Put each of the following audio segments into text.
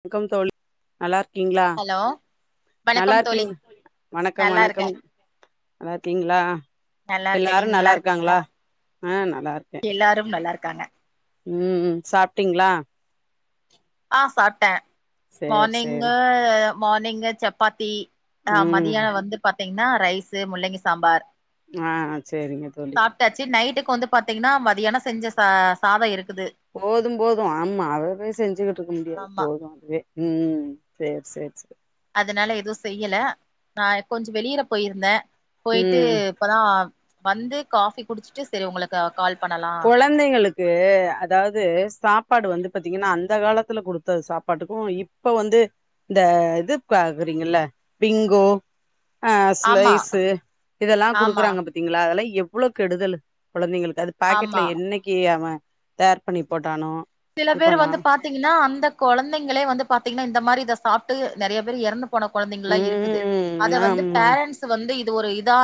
ணக்கம் தோழி நல்லார் க்கீங்ளா, ஹலோ வணக்கம் தோழி நல்லாருக்கீங் வணக்கம் நல்லா இருக்கே வணக்கம் நல்லா இருக்கீங்ளா நல்லா இருக்கே எல்லாரு நீங்க நல்லா இருக்கீங்களா இருக்காங்ளா? ஆ நல்லா இருக்கே க்காங்க ம், சாப்ட்டீங்ளா ஆ சாப்ட்டே சேரி மார்னிங்கு மார்னிங்கு சப்பாத்தி ஆ ம் மதியானம் வந்து பத் தீங்கன்னா ரைஸு முள்ளங்கி சாம்பார். ஆ சரிங்க தோழி. க்கு வந்து பாத்தீங்கன்னா மதியானம் செஞ்ச சா சாதம் இருக் போதும் போது ஆமா அத போய் செஞ்சு ட்ருக்க முடியாது ஆமா போது அதே ம் சேர் சேர் சேர் அதனால எதுவும் செய்யல நா கொஞ்சம் வெளியிர போயிருந்தே. போயிட்டு ம் இப்பதா வந்து காஃபி குடிச்சிட்டு சரி உங்களுக்கு கால் பண்ணலா குழந்தைகளுக்கு அதாவது சாப்பாடு வந்து பாத்தீங்கன்னா அந்த காலத்துல குடுத்த சாப்பாட்டுக்கு இப்ப வந்து இந்த இது பாக்குறீங்கல்ல பிங்கோ ஆ ஆமா ஸ்லைஸு இதெல்லா ஆமா குடுக்குறாங்க பாத்தீங்களா அதெல்லா எவ் வளோ கெடுதல் குழந்தைங்களுக் பாக்கெட்ல ஆமா என்னைக்கி அவே தயார் பண்ணி போட்டானோ சில இது பேர் வந்து பண்ணானோ பாத்தீங்கன்னா அந்த கொழந்தைங்களே வந்து பாத்தீங்கன்னா இந்த மாரிதா சாப்ட்டு நெறைய பேர் எறந்து போன குழந்தைங்கலா இருக்குது ம் அத வந்து ஆமா பேரண்ட்ஸ் வந்து இந் ஒரு இதா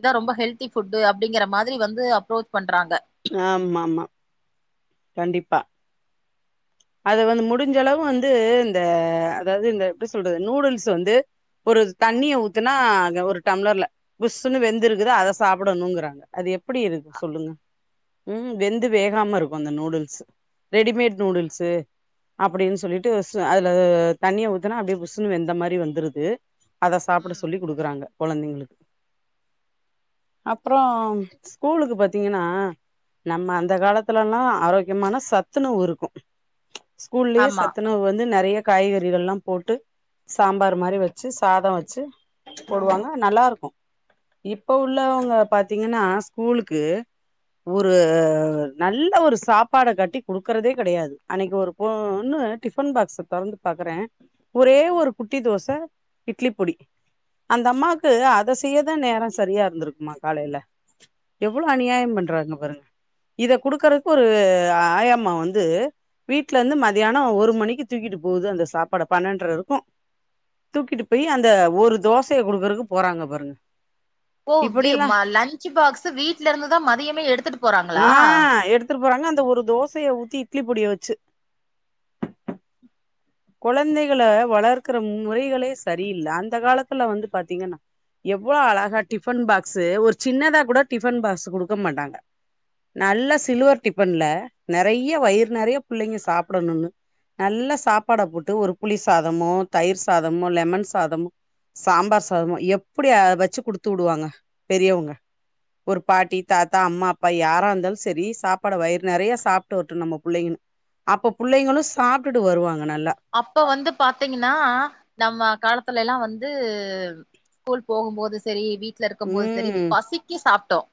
இதா ரொம்ப ஹெல்தி ஃபுட்டு அப்படிங்கற மாரி வந்து அப்ரோச் பண் ஆமா ஆமா கண்டிப்பா அது வந்து முடிஞ்சளவு வந்து இந்த அதாவது இந்த எப்டி சொல்றது நூடுல்ஸ் வந்து ஒரு தண்ணிய ஊத்துனா ஒரு டம்ளர்ல புஸ்ஷுன்னு ம் வெந்துருக்குதா அத சாப்பிடணுங்கிறாங்க அது எப்படி இருக்கு சொல்லுங்க ம் வெந்து வேகாம இருக் கு அந்த நூடுல்ஸ் ரெடிமேட் நூடுல்ஸ்ஸு அப்டின்னு சொல்லிட்டு சு அதுல தண்ணிய ஊத்தனா அப்படியே புஸ்ஸுனு வெந்த மாரி வந்துருது அதை சாப்பிட ம் சொல்லி கொடுக்குறாங்க குழந்தைங்களுக்கு அப்புறம் ஸ்கூலுக்கு பாத்தீங்கன்னா நம்ம அந்த காலத்து இல்லனா ஆரோக்கியமான சத்துணுவு இருக்கும் ஸ்கூல்லயே ஆமா சத்துணவு வந்து நிறைய காய்கறிகள்லாம் போட்டு சாம்பார் மாதிரி வச்சு சாதம் வச்சு போடுவாங்க நல்லாிருக்கும் இப்போ உள்ளவங்க பார்த்தீங்கன்னா ஸ்கூலுக்கு ஒரு நல்ல ஒரு சாப்பாடை கட்டி குடுக்குறதே கிடையாது அன்னைக்கு ஒரு பொண்ணு டிஃபன் பாக்ஸ் திறந்து பாக்குற ஒரே ஒரு குட்டி தோசை இட்லி பொடி அந்த அம்மாக்கு அதை செய்யதான் நேரம் சரியா இருந்திருக்குமா காலையில எவ்வளவு அநியாயம் பண்றாங்க பாருங்க இத குடுக்கறதுக்கு ஒரு ஆயம்மா வந்து வீட்ல இருந்து மத்தியானம் ஒரு மணிக்கு தூக்கிட்டு போகுது அந்த சாப்பாடை பன்னெண்ட இருக்கும் தூக்கிட்டு போய் அந்த ஒரு தோசையை குடுக்குறக்கு போறாங்க பாருங்க ஓ வி இப்படியெல்லா [unintelligible] லாஞ்ச் பாக்ஸ் வீட்டுல இருந்து தான் மதியமே எடுத்துட்டு போறாங்க ஆ எடுத்துட்டு போறாங்க அந்த ஒரு தோசையை ஊத்தி இட்லி பொடிய வச்சு குழந்தைகளை வளர்க்கற முன்முறைகளே சரியில்ல அந்த காலத்துல வந்து பாத்தீங்கன்னா எவ்வளவு அழகா டிஃபன் பாக்ஸ்ஸு ஒரு சின்னதா கூட டிஃபன் பாக்ஸ் குடுக்க மாட்டாங்க நல்ல சில்வர் டிஃபன்ல நிறைய வயிறு நிறைய பிள்ளைங்க சாப்பிடணும்னு நல்லா சா சாப்பாடை போட்டு ஒரு புளி சாதமோ தயிர் சாதமோ லெமன் சாதமோ சாம்பார் சாதமோ எப்படி அத வச்சு குடுத்து விடுவாங்க பெரியவங்க ஒரு பாட்டி தாத்தா அம்மா அப்பா யாரா இருந்தாலும் சரி சாப்பாடை வயிறு நிறைய சாப்பிட்டு வருட்டும் நம்ம பிள்ளைங்கனு அப்ப பிள்ளைங்களும் சாப்பிட்டுட்டு வருவாங்க நல்லா அப்ப வந்து பாத்தீங்கன்னா நம்ம காலத்துல எல்லாம் வந்து ம் ஸ்கூல் போகும்போது சரி வீட்டு இருக்கும்போது சரி ம் பசிக்கு சாப்பிட்டோம்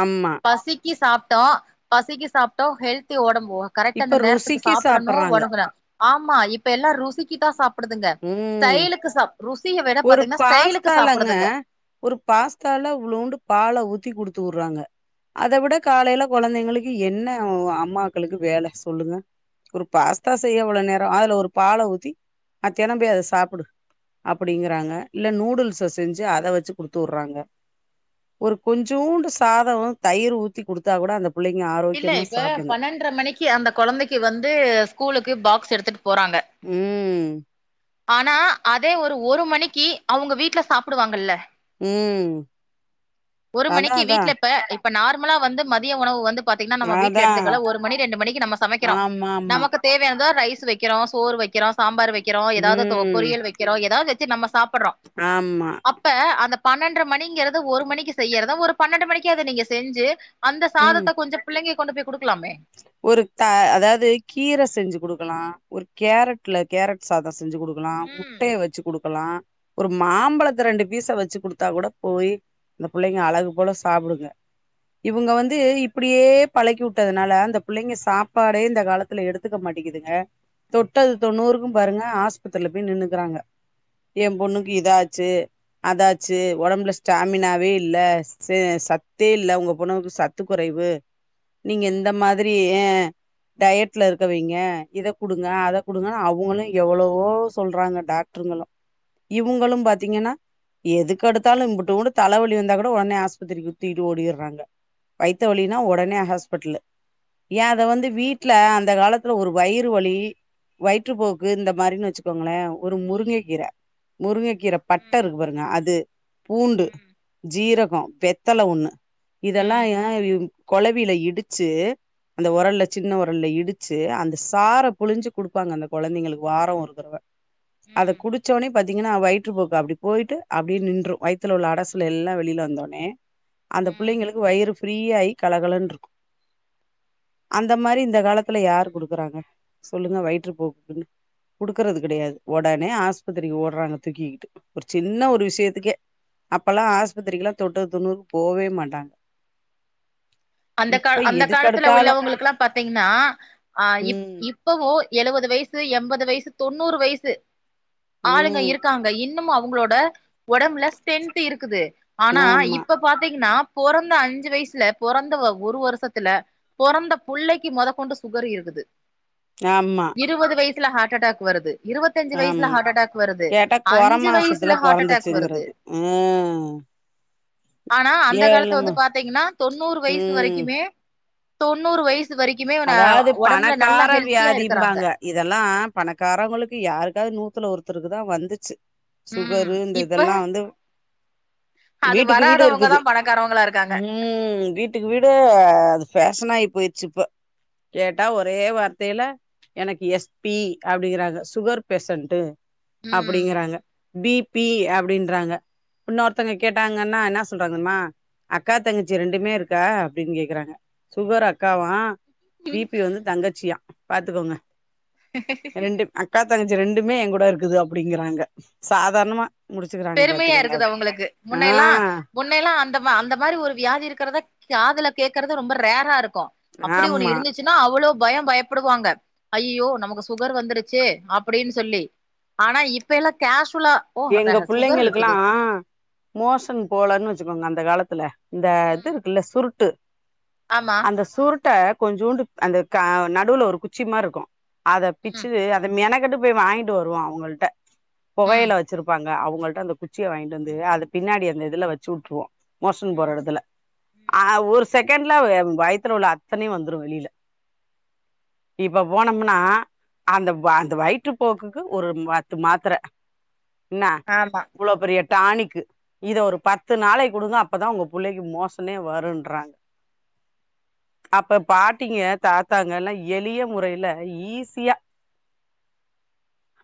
ஆமா பசிக்கு சாப்பட் இப்போ பசிக்கு சாப்பிட்டோ ஹெல்தி ஓடம்ப இப்போ கரெக்டா அந்த இப்ப நேரத்துக்கு ருசிக்கு சாப்பிடணும் சாப்பறாங்க உறங்கரா ஆம் இப்ப எல்லாம் ருசிக்கு தான் சாப்பிட் படுதுங்க ம் ஸ்டைலுக்கு சா ஒரு பாஸ்தாலங்க ஒரு பாஸ்தால வ்லுண்டு பாலை ஊத்தி கொடுத் துறாங்க அத விட காலையில குழந்தைங்களுக்கு என்ன அம்மாக்களுக்கு வேலை சொல்லுங்க ஒரு பாஸ்தா செய்ய அவ்ளவு நேரம் அதுல ஒரு பாலை ஊத்தி மத்தியானபோய் அத சாப்பிடு அப்படிங்கறாங்க இல்ல நூடுல்ஸை செஞ்சு அத வச்சு குடுத்து விடுறாங்க ஒரு கொஞ்சோண்டு சாதம் தயிர் ஊத்தி குடுத்தா கூட அந்த புள்ளைங்க இல்ல ஆரோக்கியமா இப்ப சாப்டுங்க பன்னெண்டரை மணிக்கு அந்த குழந்தைக்கு வந்து ஸ்கூலுக்கு பாக்ஸ் எடுத்து போறாங்க ம் ஆனா அதே ஒரு ஒரு மணிக்கு அவங்க வீட்டில் சாப்பிடுவாங்கல உம் ஒரு அத மணிக்கு அதா வீட்ல இப்ப இப்ப நார்மலா வந்து மதிய உணவு வந்து பாத்திங்னா நம்ம வீட்டில அதா எடுத்துக்கறோ ஒரு மணி ரெண்டு மணிக்கு நம்ம சமைக்கிறோ ஆமா ஆமா நமக்கு தேவையானத இதோ ரைஸ் வைக்கிறோ சோறு வைக்கிறோ சாம்பார் வைக்க வெக்கறோம் ஏதாவது ம் பொறியல் வைக்கிறோம் ஏதாவது நம்ம சாப்ப படுறோம் ஆமா அப்ப அந்த பன்னெண்டற மணிங்கறது ஒரு மணிக்கு செய்யறத ஒரு பன்னெண்டு மணிக்கு அதை நீங்க செஞ்சு அந்த ம் சாதத்தை கொஞ்சம் புள்ளைங்க கொண்டு போய் குடுக்கலாமே ஒரு த அதாவ்து கீர செஞ்சி குடுக்கலா ஒரு கேரட்ல கேரட் சாதொ செஞ்சி குடுக்கலா ம் முட்டைய வச்சு குடுக்கலா ஒரு மாம்பழத்த ரெண்டு பீச வச்சு குடுத்தாக் கூட போய் அந்த புள்ளைங்க அழகு போல சாப்டுங்க இவுங்க வந்து இப்டியே பழக்கி உட்டதுனால அந்த புள்ளைங்க சாப்பாடே இந்த காலத்துல எடுத்துக்க மாட்டேங்கிதுங்க தொட்டது தொண்ணூறுக்கும் பாருங்க ஆஸ்பத்திரியில போய் நின்னுக்குறாங்க ஏம் பொண்ணுக்கு இதாச்சு அதாச்சு ஒடம்புல ஸ்டாமினாவே இல்ல ச சத்தே இல்ல உங்க பொண்ணுக்கு சத்து குறைவு நீங்க ம் எந்த மா இ ஏ டயட்ல இருக்க வைங்க இதக் குடுங்க அதக் குடுங்கனு அவுங்களு எவ்வளவோ சொல்றாங்க டாக்ட்ருங்களு இவுங்களும் பாத்தீங்கன்னா எதுக்கெடுத்தாலு இம்புட்டோண்டு தலவலி வந்தா கூட ஒன்னே ஹாஸ்பத்திரிக்கு தூக்கிட்டு ஓடிர்றாங்க வைத்த வலினா ஒடனே ஹாஸ்பிடலு ஏ அத வந்து வீட்ல அந்த காலத்துல ஒரு வயிறு வலி வயிற்றுப் போக்கு இந்த மாரினு வச்சுக்கோங்களே ஒரு முருங்கக்கீர முருங்கக்கீர பட்ட ம் இருக்கு பாருங்க அது பூண்டு ம் ம் ஜீரகொ வெத்தல ஒண்ணு இதெல்லா ம் ஏ கொல மில இடிச்சு அந்த ம் ஒரல்ல சின்ன ஒரல்ல இ டு அந்த சார புழிஞ்சி குடு ப்பாங்க அந்த கொழந்தைங்களுக்கு வாரொ தரவ அத ம் குடிச்ச ஒன்னே பாத் தீங்கன்னா வயிற்று போக்கு அப்டி போய்ட்டு அப்டியே நின்று வய்த்துல உள்ள அடசல் எல்லா வெளியில வந்தோன்னே அந்த ம் புள்ளைங்களுக்கு வயிறு ஃப்ரீயாயி கலகலன்ருக்கு அந்த மாரி இந்த காலத்துல யாரு குடுக்குறாங்க சொல்லுங்க வயிற்று போக்குக்குன்னு குடுக்குறது கடையாது ஒடனே ஆஸ்பத்திரிக்கு ஓட்றாங்க தூக்கிக்கிட்டு ஒரு சின்ன ஒரு விஷயத்துக்கே அப்பல்லா ஆஸ்பத்திரிக்லா தொட்டது தொண்ணூறுக் போவே மாட்டாங்க அந்த கால் இப்ப அந்த காலத்து ல எதுக்கடுத்தாலு உள்ளவங்களுக்குல்லா பாத்தீங்கன்னா அ இப் ம் இப்பவு எழுவது வயசு எம்பது வைசு தொண்ணூறு வைசு ஆளுங்க ம் இருக்காங்க இன்னுமு அவ்ங்களோ ட ஒடம்புல ஸ்டென்த்து இருக்குது ஆனா ஆமா இப்ப பாத்தீங்கன்னா பொறந்த அஞ்சு வைஸ்ல பொறந் த ஒரு வர்ஷத்துல பொறந்த புள்ளைக்கு மொதக் கொண்டு சுகர் இருக்குது ஆமா ஸ்ல ஹாட்டட்டாக் வருது இருவத்தஞ்சு வைஸ்ல ஆமா ஹாட்டட்டாக் வருது கேட்டா கொற அஞ்சு மாசத்துல வைஸுல ஹாட்டட்டாக் வருது பொறந்துச்சுங்கிறது ம் ஆனா அந்த காலத்து ஏழுமா வந்து பாத்தீங்கன்னா தொண்ணூறு வை வரைக்குமே தொண்ணூறு வை அதாவ்து பணக்கார ஹெல்த்தியா இருக்கறாங்க வியாதிம்பாங்க இதெல்லா பணக்காரவ்ங்களுக்கு யாருக்காவ்து நூத்துல ஒரு த்தருக்குதா வந்துச்சு ம் சுகரு இந்த இப்ப இதெல்லாம் வந்து அது வீட்டுக்கு வீடு வராதவங்கதா இருக்குது பணக்காரவங்களா இருக்காங்க ம் வீட்டுக்கு வீடு அது பேஷனாயி போயிருச்சிப்ப கேட்டா ஒரே வார்த்தையில எனக்கு எஸ் பி அப்டிங்கறாங்க சுகர் பேஷண்டு ம் அப்படிங்கறாங்க பிபி அப்டின்றாங்க இன்னொ ஒருத்தங்க கேட்டாங்கன்னா என்ன சொல்றாங்கம்மா அக்கா தங்கச்சி ரெண்டுமே இருக்கா அப்டின்னு கேக்குறாங்க சுகர் அக்காவா பி பி வந்து தங்கச்சியாம் பாத்துக்கோங்க ரெண்டு அக்கா தங்கச்சி ரெண்டுமே என் கூட இருக்குது அப்படிங்கறாங்க சாதாரணமா முடிச்சுக்கிறாங்க பெருமையா பாத்துக்கோங்க இருக்குது அது அவங்களுக்கு ஆ முன்னையல்லாம் முன்னைய எல்லாம் அந்த அந்த மாரி ஒரு வியாதி இருக்கிறதா காதுல கேக்குறது ரொம்ப ரேரா இருக்கும் க்கும் அப்படி ஒன்னு ஆமா இருந்துச்சுன்னா அவ்ளோ பயம் பயப்படுவாங்க ஐயோ நமக்கு சுகர் வந்துருச்சு அப்படின்னு சொல்லி ஆனா இப்ப எல்லாம் கேஷ் வுலா ஓ புள்ளைங்களுக்குல்லாம் மோஷன் போலன்னு வச்சுக்கோங்க அந்த காலத்து தில இந்த இது ம் இருக்குல்ல சுருட்டு ஆமா அந்த சுருட்ட கொஞ்சோண்டு அந்த க நடுவுல ஒரு குச்சி மாரி இருக்கும் அத பிச்சு ம் அத மெனக் அங்கிட்டு போய் வாங்கிட்டு வருவோம் அவங்கள்ட ம் புகையில வச் இருப்பாங்க அவங்கள்ட அந்த குச்சிய வாங்கிட்டு வந்து அத பின்னாடி அந்த இதில வச்சு விட்ருவோம் மோசன் போற எடத்துல அ ஒரு செகண்ட்ல வயித்துல உள்ள அத்தனையும் வந்துரும் வெளியில இப்ப போனம்னா அந்த அந்த வயிற்று போக்குக்கு ஒரு பத்து மாத்திர என்ன ஆமா இவ்ளோ பெரிய டானிக்கு இத ஒரு பத்து நாளை கொடுங்க அப்பதான் உங்க புள்ளைக்கு மோசனே வரும்றாங்க அப்ப பாட்டிங்க தாத்தாங்க எல்லாம் எளிய முறையில ஈஸியா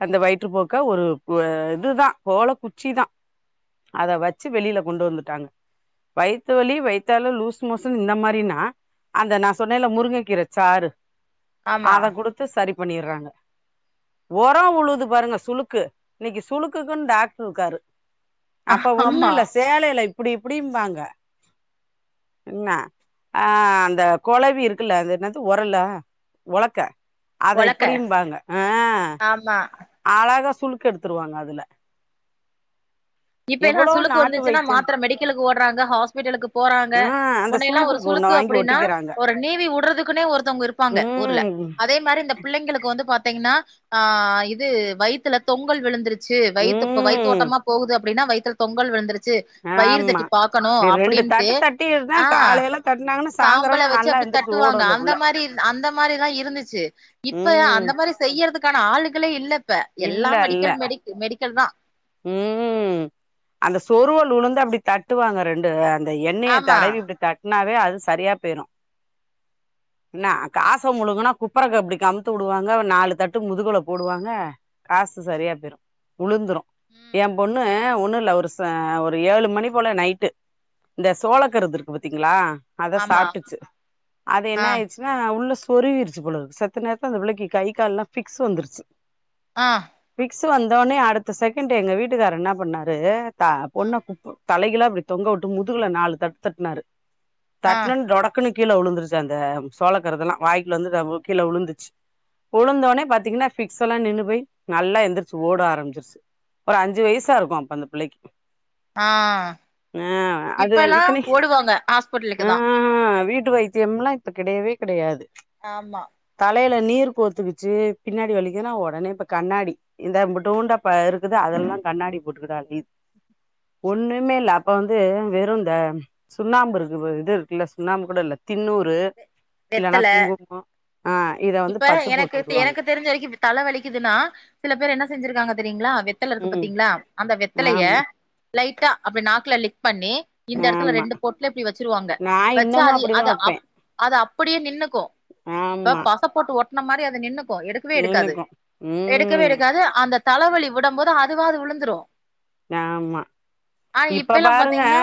அந்த வயிற்றுப்போக்க ஒரு அது தா ஓல குச்சி தா அத வச்சு வெளில கொண்டு வந்துட்டாங்க வயித்து வலி வய்த்தால லூஸ் மோசன் இந்த மாரினா அந்த நா சொன்னல முருங்கக்கீர சாறு ஆமா அத குடுத்து சரி பண்ணிறாங்க ஒரம் உழுது பாருங்க சுலுக்கு இன்னைக்கி சுலுக் குன் டாக்டர் இருக்காரு அப்ப ஒண்ணு ஆமா இல்ல சேலைல இ இப்டி இப்டிம்பாங்க என்ன ஆ அந்த கொலவி இருக்குல்ல அது என்னது ஒரலா ஒழக்க அத ஒலக்க இப்டிம்பாங்க அ ஆமா அழகா சுழுக்கு எடுத்துருவாங்க அதுல இப்ப என்ன எவ்வளோ சுலுக்கு நாட்டு வந்துச்சுன்னா வைத்தியம் மாத்தர மெடிக்கல் ஒட்ராங்க ஹாஸ்பிட்டலுக்கு போறாங்க ஆ அந்த முன்னையல்லா ஒரு சுளுக்குக்கு ஒண்ண சுழுக்கு வாங்கி அப்படின்னா ஒட்டிக்கிறாங்க ஒரு நீவி உடுறதுக்குன்னே ஒருத்தவங்க இருப்பாங்க ஊர்ல ம் அதே மாரி இந்த பிள்ளைங்களுக்கு வந்து பாத்தா பாத்தீங்கனா ஆ இது வயித்துல தொங்கல் விழுந்துரு ச்சு வய்த்து ம் வைத்தோட்டமா போகுது அப் அப்டினா வய்த்துல தொங்கல் விழுந்திரு சு வயிறு ஆமா தட்டி பாக்கணு இப்டி ரெண்டு அப்டின்ட்டு தட்டு தட்டினா ஆ காலையில தட்டுனாங்கன்னா சாம்பள சாயந்தரம்லா வச்சு நல்லா அப்டி எந்திரிச்சு தட்டுவாங்க ஓடும் அந்த புள்ள மாரி அந்த மாரிலா இருந்துச்சு இப்ப ம் அந்த மாரி செய்யறது க்கான ஆளுகளே இல்ல இப்ப எல்லா இல்ல இல்ல மெடிக்கல் மெடி மெடிக்கல் தா ம் அந்த சொருவல் உளுந்து அப்டி தட்டுவாங்க ரெண்டு அந்த எண்ணெய ஆமா தடவி இப்டி தட் னாவே அது சரியா பேய்ரு என்ன காச முழுங்கனா குப்பரக்க இப்டி கமுத்து உடுவாங்க நாலு தட்டு முதுகுல போடுவாங்க காசு சரியா பேரு உளுந்துரு எ ம் பொண்ணு ஒண்ணு இல்ல ஒரு ஒரு ஏழு மணி போல நைட்டு இந்த சோளக்கருது இருக்கு பாத்தீங்ளா அத ஆமா சாப்ட்டுச்சு அது ஆ என்ன ஆய்ச்சுன்னா உள்ள சொருவிருச்சு போலருக்கு செத்த நேரத்துல அந்த புள்ளைக்கு கை கால்லா பிக்ஸ் வந்துருச்சு ஆ பிக்ஸ் வந்தோனே அடுத்த செகண்ட் எங்க வீட்டுக்கார் என்ன பண்ணாரு தா பொண்ண குப்பு தலைகீழா அப்டி தொங்க வுட்டு முதுகுல நாலு தட்டு தட்னாரு ஆ தட்ன டொடக்குணு கீழ உழுந்துருச்சு அந்த சோலக்கருதெலா வாய்குள்ள இருந்தது அவ் கீழ உழுந்துச்சு உழுந்தோன பாத்தீங்கனா பிக்ஸ் எல்லா நின்னு போய் நல்லா எந்திரிச்சு ஓட ஆரம்பிச்சிருச்சு ஒரு அஞ்சு வயசா இருக்கு அப்ப அந்த பிள்ளைக்கு ஆ ஆ அது இப்ப எல்லா இத்தனைக்கு ஓடுவாங்க ஹாஸ்பிட்லுக்கு தா டு வைத்தியம்லா இப்ப கிடையவே கிடையாது ஆமா தலைல நீர் கோத்துக்குச்சு பின்னாடி ஒலிக்கங்கனா உடனே இப்ப கண்ணாடி இந்தட உண்டப்ப இருக்குது அதலல்லாம் கண்ணாடி போட்டுக்கிடாது ஒண்ணுமே இல்ல அப்ப வந்து வெறும் இந்த சுண்ணாம்பு இருக்கு இது இருக்குல்ல சுண்ணாம்பு கூட இல் தின்ணூறு இல்லன்னா வெத்தல குங்குமம் இப்ப எனக்கு எனக்கு தெரிஞ்ச வரைக்கு தலை வலிக்குதுன்னா சில பேர் என்ன செஞ்சிருக்காங்க செரியங்களா வெத்தல இருக்கு ம் பாத்தீங்களா அந்த வெத்தலைய ஆமா லைட்டா அப்டி நாக்குலல் பண்ணி இந்த இடத்துல ஆமா ரெண்டு பொட்ல எப்படி வச்சிருவாங்க நா வச்ச இன்னமு அப்படிதா வப்பே அது அப்புடியே நின்னுக்கும் இப்ப ஆமா பச ஒட்ன மாரி அது நிக்கூ எடுக்கவே எடுக்காது நின்னுக்கு எடுக்கவே ம் எடுக்காது அந்த தலைவலி விடும் போது அதுவா அது விழுந்துரும் ஆமா இப்ப எல்லா பாருங்க பாத்தீங்கன்னா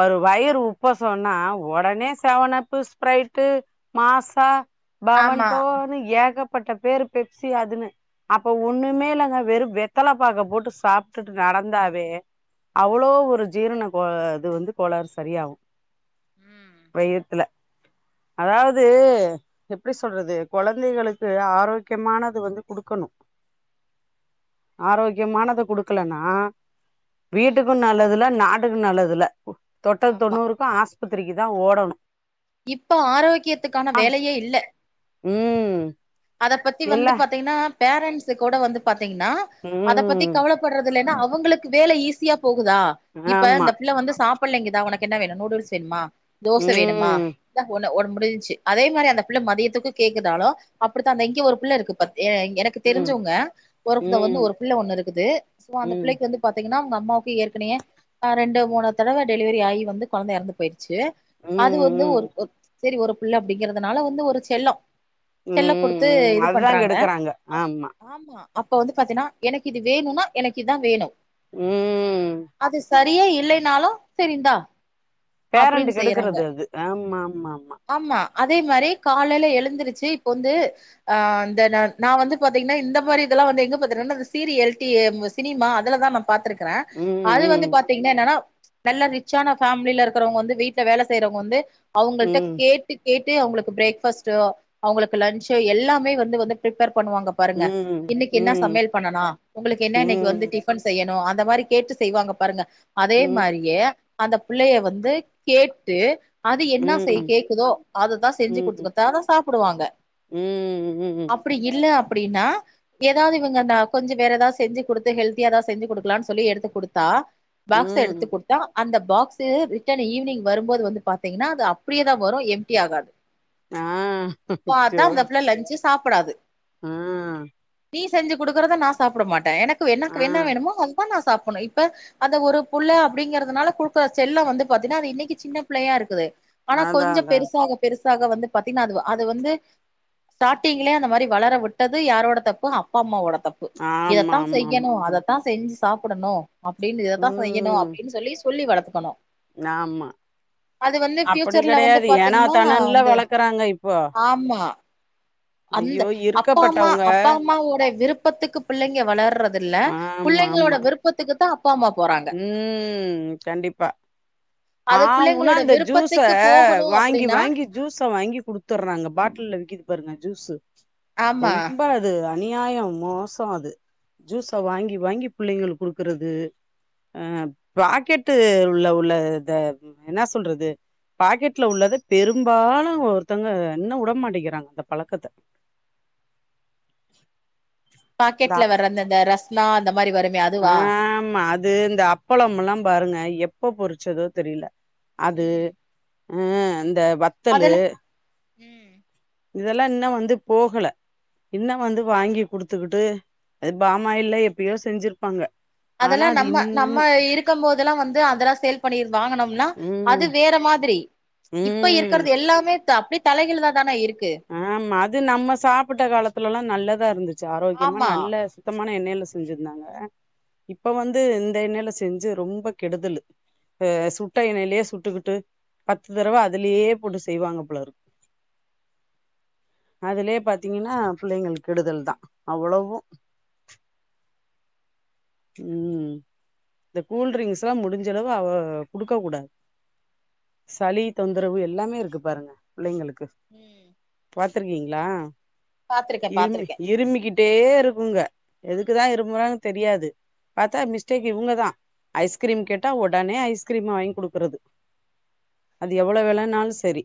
ஒரு வயிறு உப்ப சொன்னா உடனே செவனப்பு ஸ்பிரரைட்டு மாசா ஆமா பாவன்டோனு ஏகப் பட்பேரு பெப்சி அதுன்னு அப்ப ஒண்ணுமே இல்லங்க வெறும் வெத்தல பாக்கப் போட்டு சாப்பிட்டு நடந்தாவே அவ்வளோ ஒரு ஜீரண கோ இது வந்து கோளறு சரியாகூ ம் வெய்த்துல அதாவது எப்டி சொல்றது கொழந்தைகளுக்கு ஆரோக்கியமானது வந்து கொடுக்கணு ஆரோக்கியமானத குடுக்க க்கலனா ம் வீட்டுக்கூ நல்லதுல்ல நாட்டுக்கூ நல்லதுல தொட்டது ஆமா தொண்ணூறுக்கூ ஆஸ் பத்திரிக்கு தான் ஓடணு இப்ப ஆரோக்கியத்துக்கான வேலையே இல்ல உம் அத பத்தி வந்து பாத்தீங்கன்னா பேரண்ட்ஸ் கூட வந்து பார் ன்னா அத பத்தி ம் கவலைப்படுறது இல்லைன்னா அவங்களுக்கு வேலை ஈசி போகுதா இப்ப ஆமா இந்த பிள்ள வந்து சாப் புள்ளைங்கதான் உன என்ன வேணும் நூடுல்ஸ் வேணுமா தோச வேணுமா ம் ஒ [unintelligible] முடிஞ்சச்சு அதே மாரி அந்த பிள்ள மதியத்துக்கு கேக்குதாலு அப்படித்தான் இங்க ஒரு புள்ள இருக்குப்ப எனக்கு ம் தெரிஞ்சவங்க ஒரு வந்து ம் ஒரு பிள்ள ஒண்ணு இருக்குது சோ ம் அந்த ம் பிள்ளக்கு வந்து பாத்தீங் அவுங்க அம்மாவுக்கு ஏற்கனையே ரெண்டு மூணு தடவ டைலிவரி ஆயி வந்து கொழந்தஇறந்து போயிருக் அது ம் வந்து ஒரு ம் செரி ஒரு புள்ள அப்படிங்கறிறதுனால வந்து ஒரு செல்லோ செல்ல கொடுத்து ம் இது அதுதா பண்றாங்க கெடுக்குறாங்க ஆமா ஆமா அப்ப வந்து பாத்தீன்னா எனக்கு இது வேணும்னா எனக்கு இதா வேணு ம் அது ச ரியே இல்லைனாலு சரி இந்தா பேரண்ட் அப்டின்னு செய்யறாங்க கெடுக்குறது அது ஆமா ஆமா ஆமா அதே மாரி காலையில எழுந்துருச்சு இப்ப வந்து ஆ இந்த நா வந்து பாத்தீங்கன்னா இந்த மாரி இதெல்லா வந்து எங்க பாக்குறேனா இந்த சீரியல் டி சினிமா அதுலதா நா பாத்துருக்றே அது வந்து ம் பாத்தீங்கன்னா என்னன்னா நல்லா ரிச்சான ஃபேமிலில இருக்கறவங்க வந்து வீட்ல வேல செய்றவங்க வந்து அவுங்கள்ட்ட ம் கேட்டு கேட்டு அவுங்களுக்கு பிரேக் ஃபாஸ்ட்டா அவுங்களுக்கு லன்ச்சு எல்லாமே வந்து வந்து பிரேப்பேர் பண்ணுவாங்க ம் பாருங்க ம் இன்னிக்கு என்ன ம் சமையல் பண்ணலா உங்களுக்கு என்ன இன்னிக்கு வந்து ம் டிபன் செய்யணும் அந்த இந்த மாரி கேட்டு செய்வாங்க பாருங்க அதே ம் மாரியே அந்த பிள்ளைய வந்து கேட்டு அது என்னா செய் ம் கேக்குதோ அததான் செஞ்சு ம் குடுத்துத்தா சாப்ப ம் ம் இல்ல அப்பிடின்னா எதாவது இவுங்க நான் அப்பஞ்சி வேற எதாவ செஞ்சு குடுத்து ஹெல்தியாதான் செஞ்சு குடுக்கலாம்னு சொல்லி எடுத்து குடுத்தா பாக்ஸ் ம் எடுத்து குடுத்தா அந்த பாக்ஸு ரிட்டன் ஈவினிங் வரும்போது வந்து பாத்தீங்கன்னா அது அப்பிடியேதான் வரும் எம்ப்டிி ஆகாது ஆ பாத்தா அந்தப்புள்ள லஞ்சு சாப்படாது அ நீ செஞ்சு குடுக்குறத நான் சாப்பிட மாட்டேன் எனக்கு ஆ வென்னாக்கு என்ன வேணுோமோ அததான் நா சாப்புண்ணு இப்ப அந்த ஒரு புள்ள அப்டிங்றிறதுனால குடுக்குற செல்லோ வந்து பாத்தீனா அது இன்னிக்கி சின்ன பிள்ளேயா இருக்குது ஆனா அதா கொஞ்ச அதா பெருசாக பெரு தாக வந்து பாத்தீங்னா அதுவா அது வந்து ஸ்டார்ட்டிங்லே அந்த மாரி வளர விட்டது யாரோட தப்பு அப்பா அம்மாவோடது தப்பு ஆமா இதத்தா ஆமா ஆமா செய்யணு அதத்தா செஞ்சு சாப்புடணோ அப்டின் இததா செய்யணோ ம் அப்டின் சொல்லி சொல்லி வளக்கணோ ஆமா அப்பிடி ஃபியூச்சர்ல வந்து கெடையாது ஏனோ தானோன்லா வளக்குறாங்க இப்போ ம்மா அந்த ஐயோ! அப்பா அம்மா இருக்கப்பட்டவங்க. அப்பா அம்மாவோட விருப்பத்துக்கு பிள்ளைங்க வளர்றது இல்ல பிள்ளைங்களோட விருப்பத்துக்கு தா அப் உம் கண்டிப்பா ஆ அது வுனா புள்ளைங்களோட அந்த ஜூஸ விருப்பத்துக்கு போகணு வாங்கி அப்டின்னா வாங்கி ஜூஸ வாங்கி குடுத்துறாங்க பாட்டில விக்கிது பாருங்க ஜூசு ஆமா ரொம்ப அது அ அநியாயோ மோசோ அது ஜூஸ வாங்கி வாங்கி பிள்ளைங்களுக் குடுக்கறது அஹ் பாக்கெட்டு உள்ள உள்ள இத என்ன சொல்றது பாக்கெட்ல உள்ளத பெரும்பாலு ஒருத்தங்க என்ன உடமாட்டேங்கிறாங்க அந்த பலக்கத பாக்கெட்ல வரந்த இந்த ரஸ்னா அந்த து மாரி வருமே அதுவா அ இந்த அப்பளோம் எல்லா பாருங்க எப்ப பொரிச்சதோ தெரில அது ம் உம் அந்த வத்தலு உம் இதெல்லா இன்னு வந்து போகல இன்னு வந்து வாங்கி குடுத்துக்குட்டு அது பாமாயில்ல எப்பயோ செஞ்சிருப்பாங்க ஆனா அதெல்லா அது நம்ம இன்னமு நம்ம இருக்கு போதெல்லா வந்து அததெல்லா சேல் பண்ணிர் வாங்குனோம்னா அது ம் வேற மாதிரி இப்ப ம் இருக்கறது எல்லாமே அப்டி தலைகிள் தா தானே இருக் ஆஹ் அது நம்ம சாப்புட்ட காலத்துல எல்லா நல்லதா இருந்துச்சு ஆரோக்கியமா ஆமா நல்ல சுத்தமா மான எண்ணெயில செஞ்சிருந்தாங்க இப்ப வந்து இந்த எண்ணெயில செஞ்சு ரொம்ப கெடுதல் ஹ சுட்ட எண்ணைலே சுட்டுக்கிட்டு பத்து தடவ அதுலேயே போட்டு செய்வாங்க போல இருக்கு அதுலே பாத்தீங்கன்னா பிள்ளைங்ளுக்கு கெடுதல் தா அவ்ளோவு உம் இந்த கூல்ரிங்க்ஸ் எல்லா முடிஞ்சளவு அவ குடுக்க கூடாது சளி தொந்தரவு எல்லாமே இருக்கு பாருங்க பிள்ளைங்களுக் ம் பாத்துருக்கீங் ல்லா பாத்திருக்கே இரும்பி பாத்திருக்கே இரும்பிக்கிட்டே இருக்குங்க எதுக்கு தா இரும்றாங்னு தெரியாது பாத்தா மிஸ்டேக் இவ்ங்கதா ஐஸ்கிரீம் கேட்டா உடனே ஐஸ்கிரீம் வாங்கி குடுக்கறது அது எவ்ளோ வேலனாலு செரி